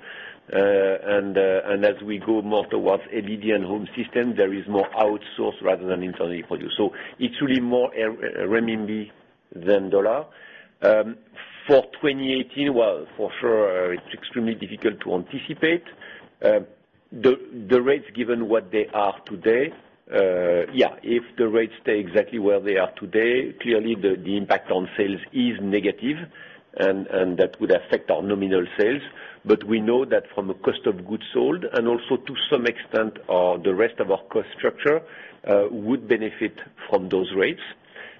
As we go more towards LED and home system, there is more outsource rather than internally produced. It's really more renminbi than dollar. For 2018, well, for sure, it's extremely difficult to anticipate. The rates, given what they are today, yeah, if the rates stay exactly where they are today, clearly the impact on sales is negative, and that would affect our nominal sales. We know that from a cost of goods sold, and also to some extent, the rest of our cost structure, would benefit from those rates.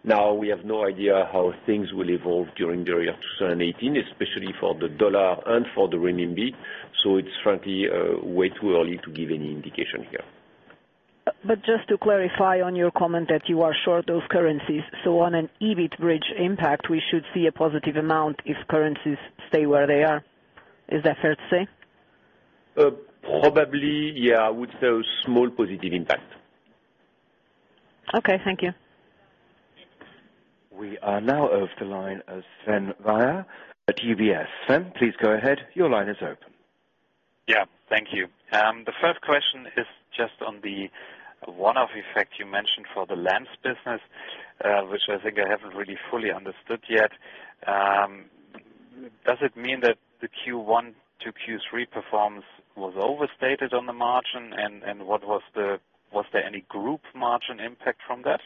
We have no idea how things will evolve during the year 2018, especially for the dollar and for the renminbi. It's frankly way too early to give any indication here. Just to clarify on your comment that you are short those currencies. So on an EBIT bridge impact, we should see a positive amount if currencies stay where they are. Is that fair to say? Probably, yeah, I would say a small positive impact. Okay. Thank you. We are now over the line of Sven Weier at UBS. Sven, please go ahead. Your line is open. Yeah. Thank you. The first question is just on the one-off effect you mentioned for the lamps business, which I think I haven't really fully understood yet. Does it mean that the Q1 to Q3 performance was overstated on the margin? Was there any group margin impact from that?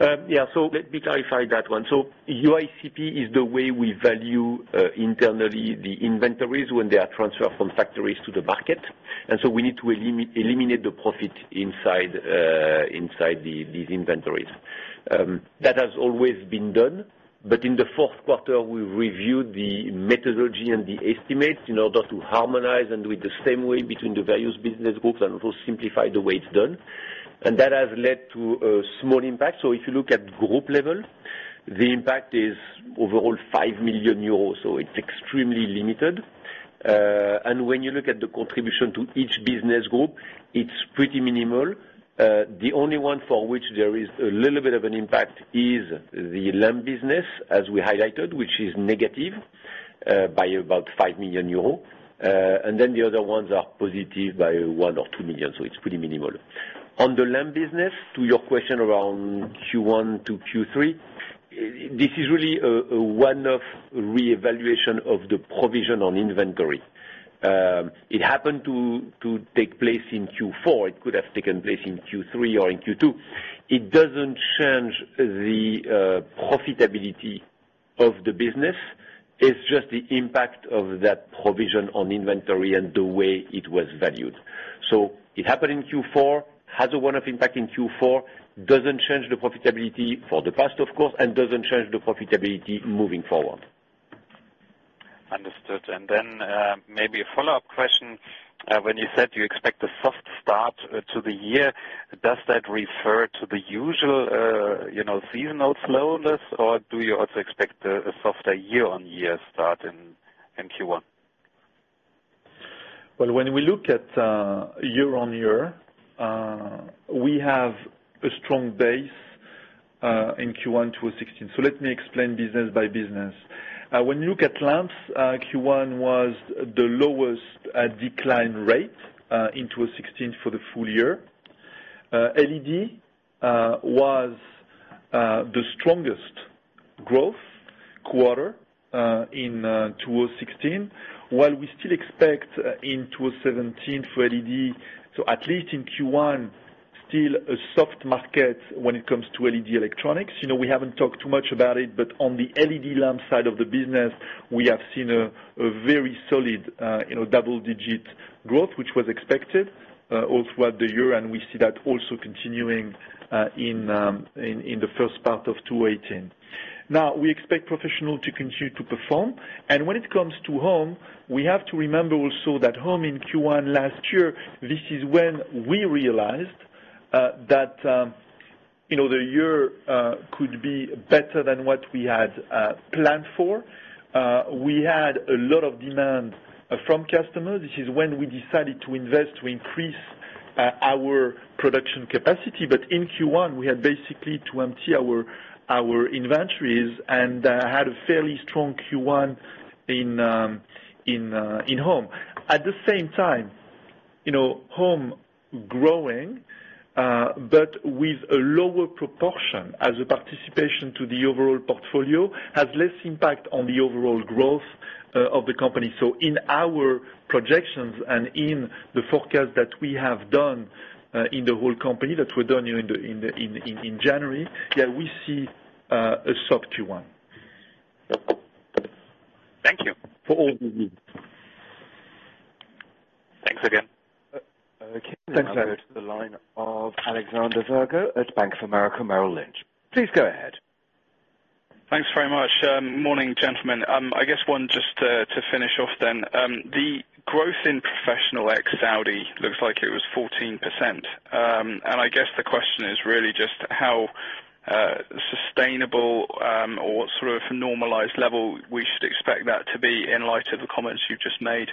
Yeah. Let me clarify that one. UICP is the way we value internally the inventories when they are transferred from factories to the market. We need to eliminate the profit inside these inventories. That has always been done. In the fourth quarter, we reviewed the methodology and the estimates in order to harmonize and do it the same way between the various business groups. Also simplify the way it's done. That has led to a small impact. If you look at group level, the impact is overall 5 million euros. It's extremely limited. When you look at the contribution to each business group, it's pretty minimal. The only one for which there is a little bit of an impact is the lamp business, as we highlighted, which is negative by about 5 million euros. The other ones are positive by one or two million, it's pretty minimal. On the lamp business, to your question around Q1 to Q3, this is really a one-off reevaluation of the provision on inventory. It happened to take place in Q4. It could have taken place in Q3 or in Q2. It doesn't change the profitability of the business. It's just the impact of that provision on inventory and the way it was valued. It happened in Q4, has a one-off impact in Q4, doesn't change the profitability for the past, of course, doesn't change the profitability moving forward. Understood. Maybe a follow-up question. When you said you expect a soft start to the year, does that refer to the usual seasonal slowness, or do you also expect a softer year-on-year start in Q1? Well, when we look at year-on-year, we have a strong base in Q1 2016. Let me explain business by business. When you look at lamps, Q1 was the lowest decline rate in 2016 for the full year. LED was the strongest growth quarter in 2016. While we still expect in 2017 for LED, so at least in Q1, still a soft market when it comes to LED electronics. We haven't talked too much about it, but on the LED lamp side of the business, we have seen a very solid double-digit growth, which was expected throughout the year, and we see that also continuing in the first part of 2018. Now, we expect professional to continue to perform. When it comes to home, we have to remember also that home in Q1 last year, this is when we realized that the year could be better than what we had planned for. We had a lot of demand from customers. This is when we decided to invest to increase our production capacity. In Q1, we had basically to empty our inventories and had a fairly strong Q1 in home. At the same time, home growing, but with a lower proportion as a participation to the overall portfolio, has less impact on the overall growth of the company. In our projections and in the forecast that we have done in the whole company, that were done in January, we see a soft Q1. Thank you. For all we need. Thanks again. Thanks. Okay. We go to the line of Alexander Virgo at Bank of America, Merrill Lynch. Please go ahead. Thanks very much. Morning, gentlemen. I guess one just to finish off then. The growth in professional ex-Saudi looks like it was 14%. I guess the question is really just how sustainable or sort of normalized level we should expect that to be in light of the comments you've just made,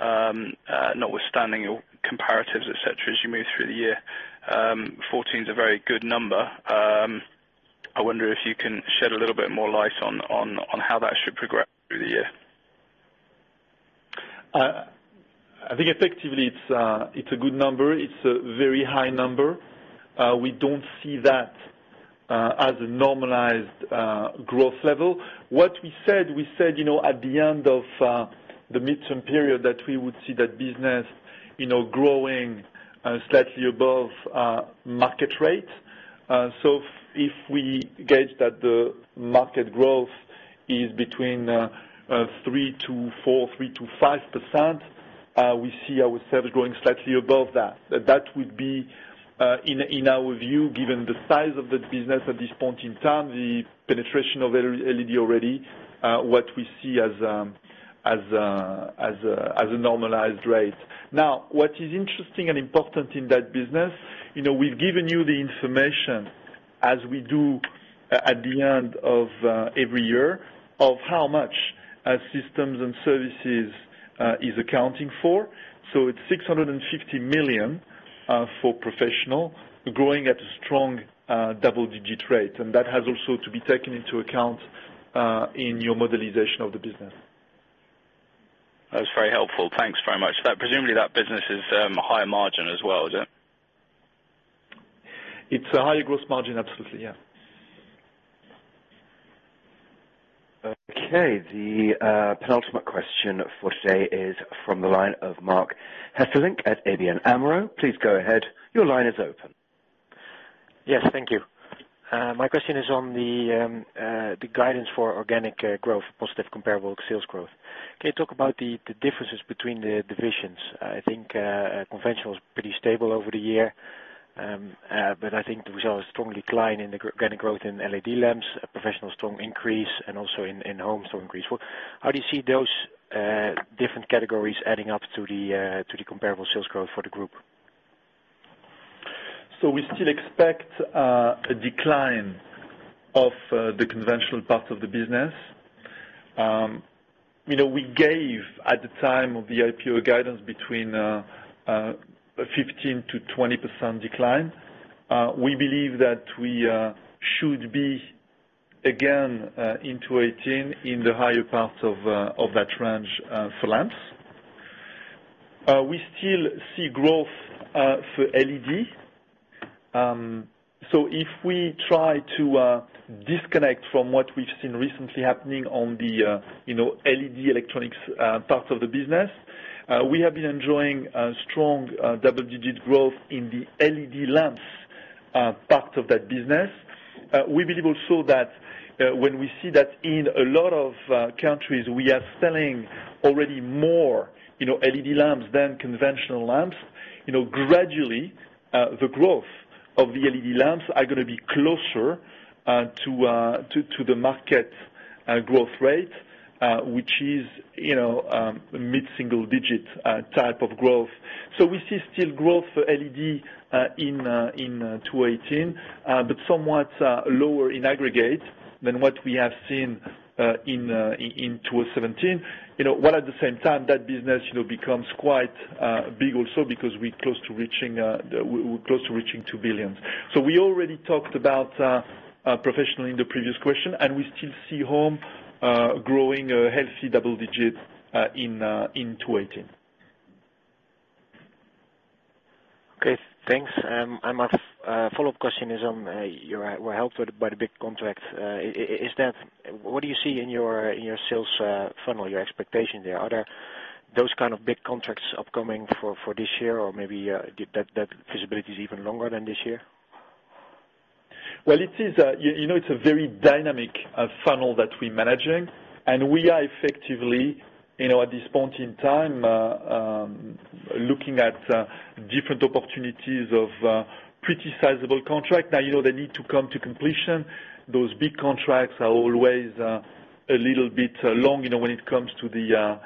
notwithstanding your comparatives, et cetera, as you move through the year. 14 is a very good number. I wonder if you can shed a little bit more light on how that should progress through the year. I think effectively it's a good number. It's a very high number. We don't see that as a normalized growth level. What we said, we said at the end of the midterm period that we would see that business growing slightly above market rate. If we gauge that the market growth is between 3%-4%, 3%-5%, we see ourselves growing slightly above that. That would be in our view, given the size of the business at this point in time, the penetration of LED already, what we see as a normalized rate. What is interesting and important in that business, we've given you the information as we do at the end of every year of how much systems and services is accounting for. It's 650 million for professional, growing at a strong double-digit rate, and that has also to be taken into account in your modelization of the business. That was very helpful. Thanks very much. Presumably, that business is higher margin as well, is it? It's a higher gross margin, absolutely, yeah. The penultimate question for today is from the line of Marc Hesselink at ABN AMRO. Please go ahead. Your line is open. Yes, thank you. My question is on the guidance for organic growth, positive comparable sales growth. Can you talk about the differences between the divisions? I think conventional is pretty stable over the year. I think we saw a strong decline in the organic growth in LED lamps, Professional strong increase, and also in Home, strong increase. How do you see those different categories adding up to the comparable sales growth for the group? We still expect a decline of the conventional part of the business. We gave, at the time of the IPO guidance between 15%-20% decline. We believe that we should be again into 2018 in the higher part of that range for lamps. We still see growth for LED If we try to disconnect from what we've seen recently happening on the LED electronics part of the business, we have been enjoying strong double-digit growth in the LED lamps part of that business. We believe also that when we see that in a lot of countries, we are selling already more LED lamps than conventional lamps. Gradually, the growth of the LED lamps are going to be closer to the market growth rate, which is mid-single digit type of growth. We see still growth for LED in 2018, but somewhat lower in aggregate than what we have seen in 2017. While at the same time, that business becomes quite big also because we're close to reaching 2 billion. We already talked about Professional in the previous question, and we still see Home growing a healthy double digit in 2018. Okay, thanks. My follow-up question is on, you were helped by the big contract. What do you see in your sales funnel, your expectation there? Are there those kind of big contracts upcoming for this year? Maybe that visibility is even longer than this year? Well, it's a very dynamic funnel that we're managing, we are effectively, at this point in time, looking at different opportunities of pretty sizable contract. They need to come to completion. Those big contracts are always a little bit long, when it comes to the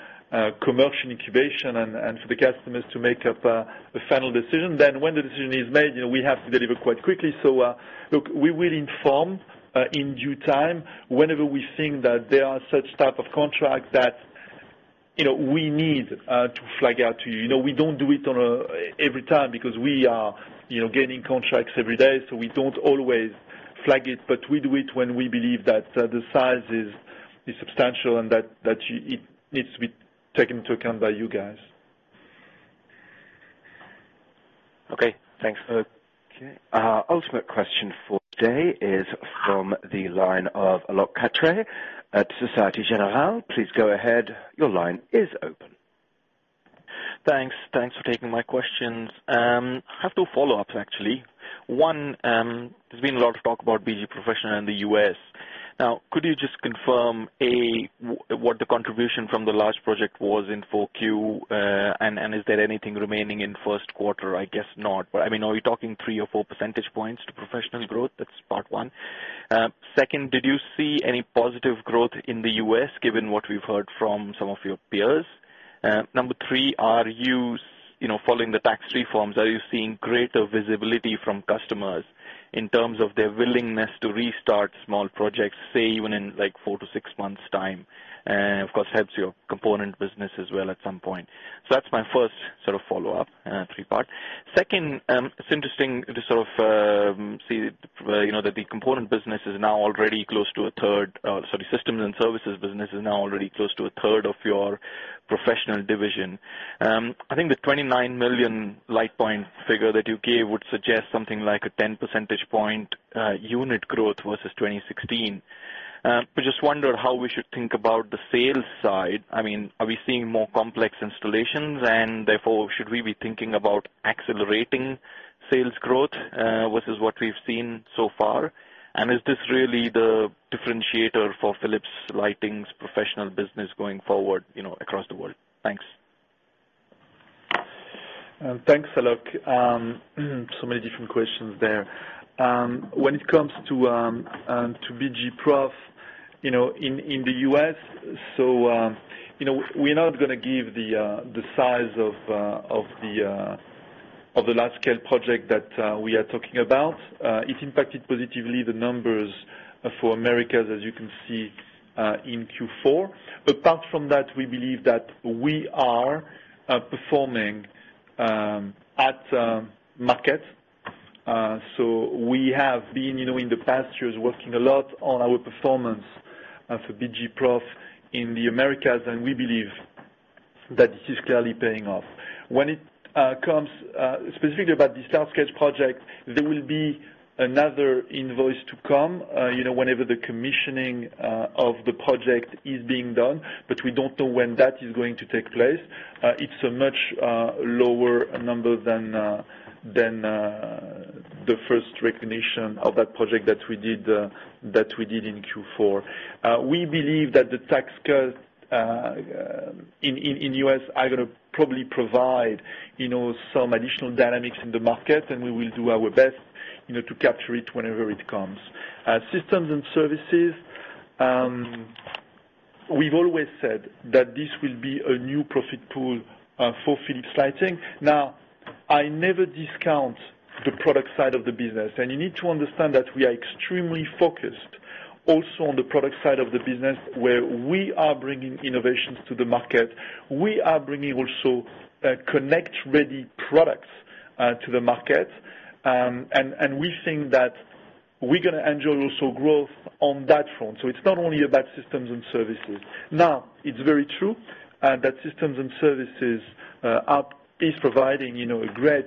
commercial incubation and for the customers to make up a final decision. When the decision is made, we have to deliver quite quickly. Look, we will inform in due time whenever we think that there are such type of contract that we need to flag out to you. We don't do it every time because we are getting contracts every day, so we don't always flag it, but we do it when we believe that the size is substantial and that it needs to be taken into account by you guys. Okay, thanks. Okay. Ultimate question for today is from the line of Alok Katre at Societe Generale. Please go ahead. Your line is open. Thanks for taking my questions. I have two follow-ups, actually. One, there's been a lot of talk about BG Professional in the U.S. Now, could you just confirm, A, what the contribution from the large project was in 4Q, and is there anything remaining in first quarter? I guess not. But are we talking three or four percentage points to Professional growth? That's part one. Second, did you see any positive growth in the U.S., given what we've heard from some of your peers? Number three, following the tax reforms, are you seeing greater visibility from customers in terms of their willingness to restart small projects, say, even in four to six months time? Of course, helps your component business as well at some point. That's my first sort of follow-up, three-part. Second, it's interesting to sort of see that the component business is now already close to a third. Systems and Services business is now already close to a third of your BG Professional division. I think the 29 million light point figure that you gave would suggest something like a 10 percentage point unit growth versus 2016. Just wonder how we should think about the sales side. Are we seeing more complex installations and therefore, should we be thinking about accelerating sales growth versus what we've seen so far? Is this really the differentiator for Signify's BG Professional business going forward across the world? Thanks. Thanks, Alok. Many different questions there. When it comes to BG Prof, in the U.S., we're not going to give the size of the large-scale project that we are talking about. It impacted positively the numbers for Americas, as you can see in Q4. Apart from that, we believe that we are performing at market. We have been, in the past years, working a lot on our performance for BG Prof in the Americas, and we believe that this is clearly paying off. When it comes specifically about this large-scale project, there will be another invoice to come whenever the commissioning of the project is being done, but we don't know when that is going to take place. It's a much lower number than the first recognition of that project that we did in Q4. We believe that the tax cuts in U.S. are going to probably provide some additional dynamics in the market, and we will do our best to capture it whenever it comes. Connected lighting systems and services, we've always said that this will be a new profit pool for Signify. I never discount the product side of the business, and you need to understand that we are extremely focused also on the product side of the business, where we are bringing innovations to the market. We are bringing also connect-ready products to the market. We think that we're going to enjoy also growth on that front. It's not only about connected lighting systems and services. It's very true that connected lighting systems and services is providing a great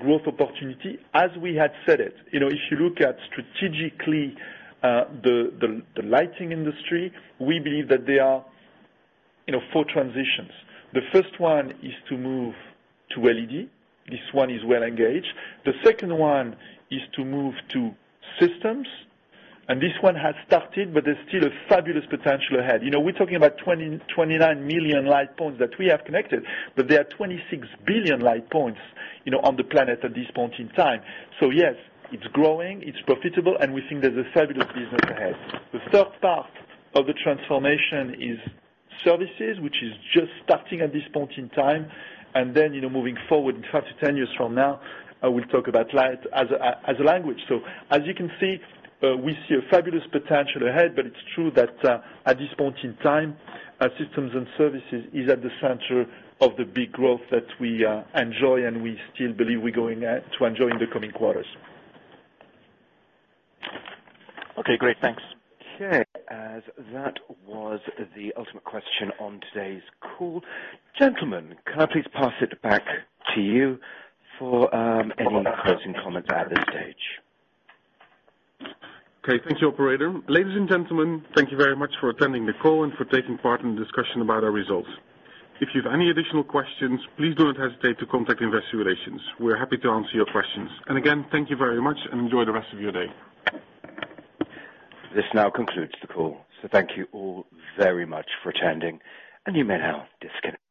growth opportunity, as we had said it. If you look at strategically the lighting industry, we believe that there are four transitions. The first one is to move to LED. This one is well engaged. The second one is to move to systems, and this one has started, but there's still a fabulous potential ahead. We're talking about 29 million light points that we have connected, but there are 26 billion light points on the planet at this point in time. Yes, it's growing, it's profitable, and we think there's a fabulous business ahead. The third part of the transformation is services, which is just starting at this point in time. Then, moving forward 5 to 10 years from now, we'll talk about light as a language. As you can see, we see a fabulous potential ahead, but it's true that at this point in time, Systems and Services is at the center of the big growth that we enjoy, and we still believe we're going to enjoy in the coming quarters. Okay, great. Thanks. Okay, as that was the ultimate question on today's call. Gentlemen, can I please pass it back to you for any closing comments at this stage? Okay. Thank you, operator. Ladies and gentlemen, thank you very much for attending the call and for taking part in the discussion about our results. If you've any additional questions, please do not hesitate to contact Investor Relations. We're happy to answer your questions. Again, thank you very much, and enjoy the rest of your day. This now concludes the call. Thank you all very much for attending, and you may now disconnect.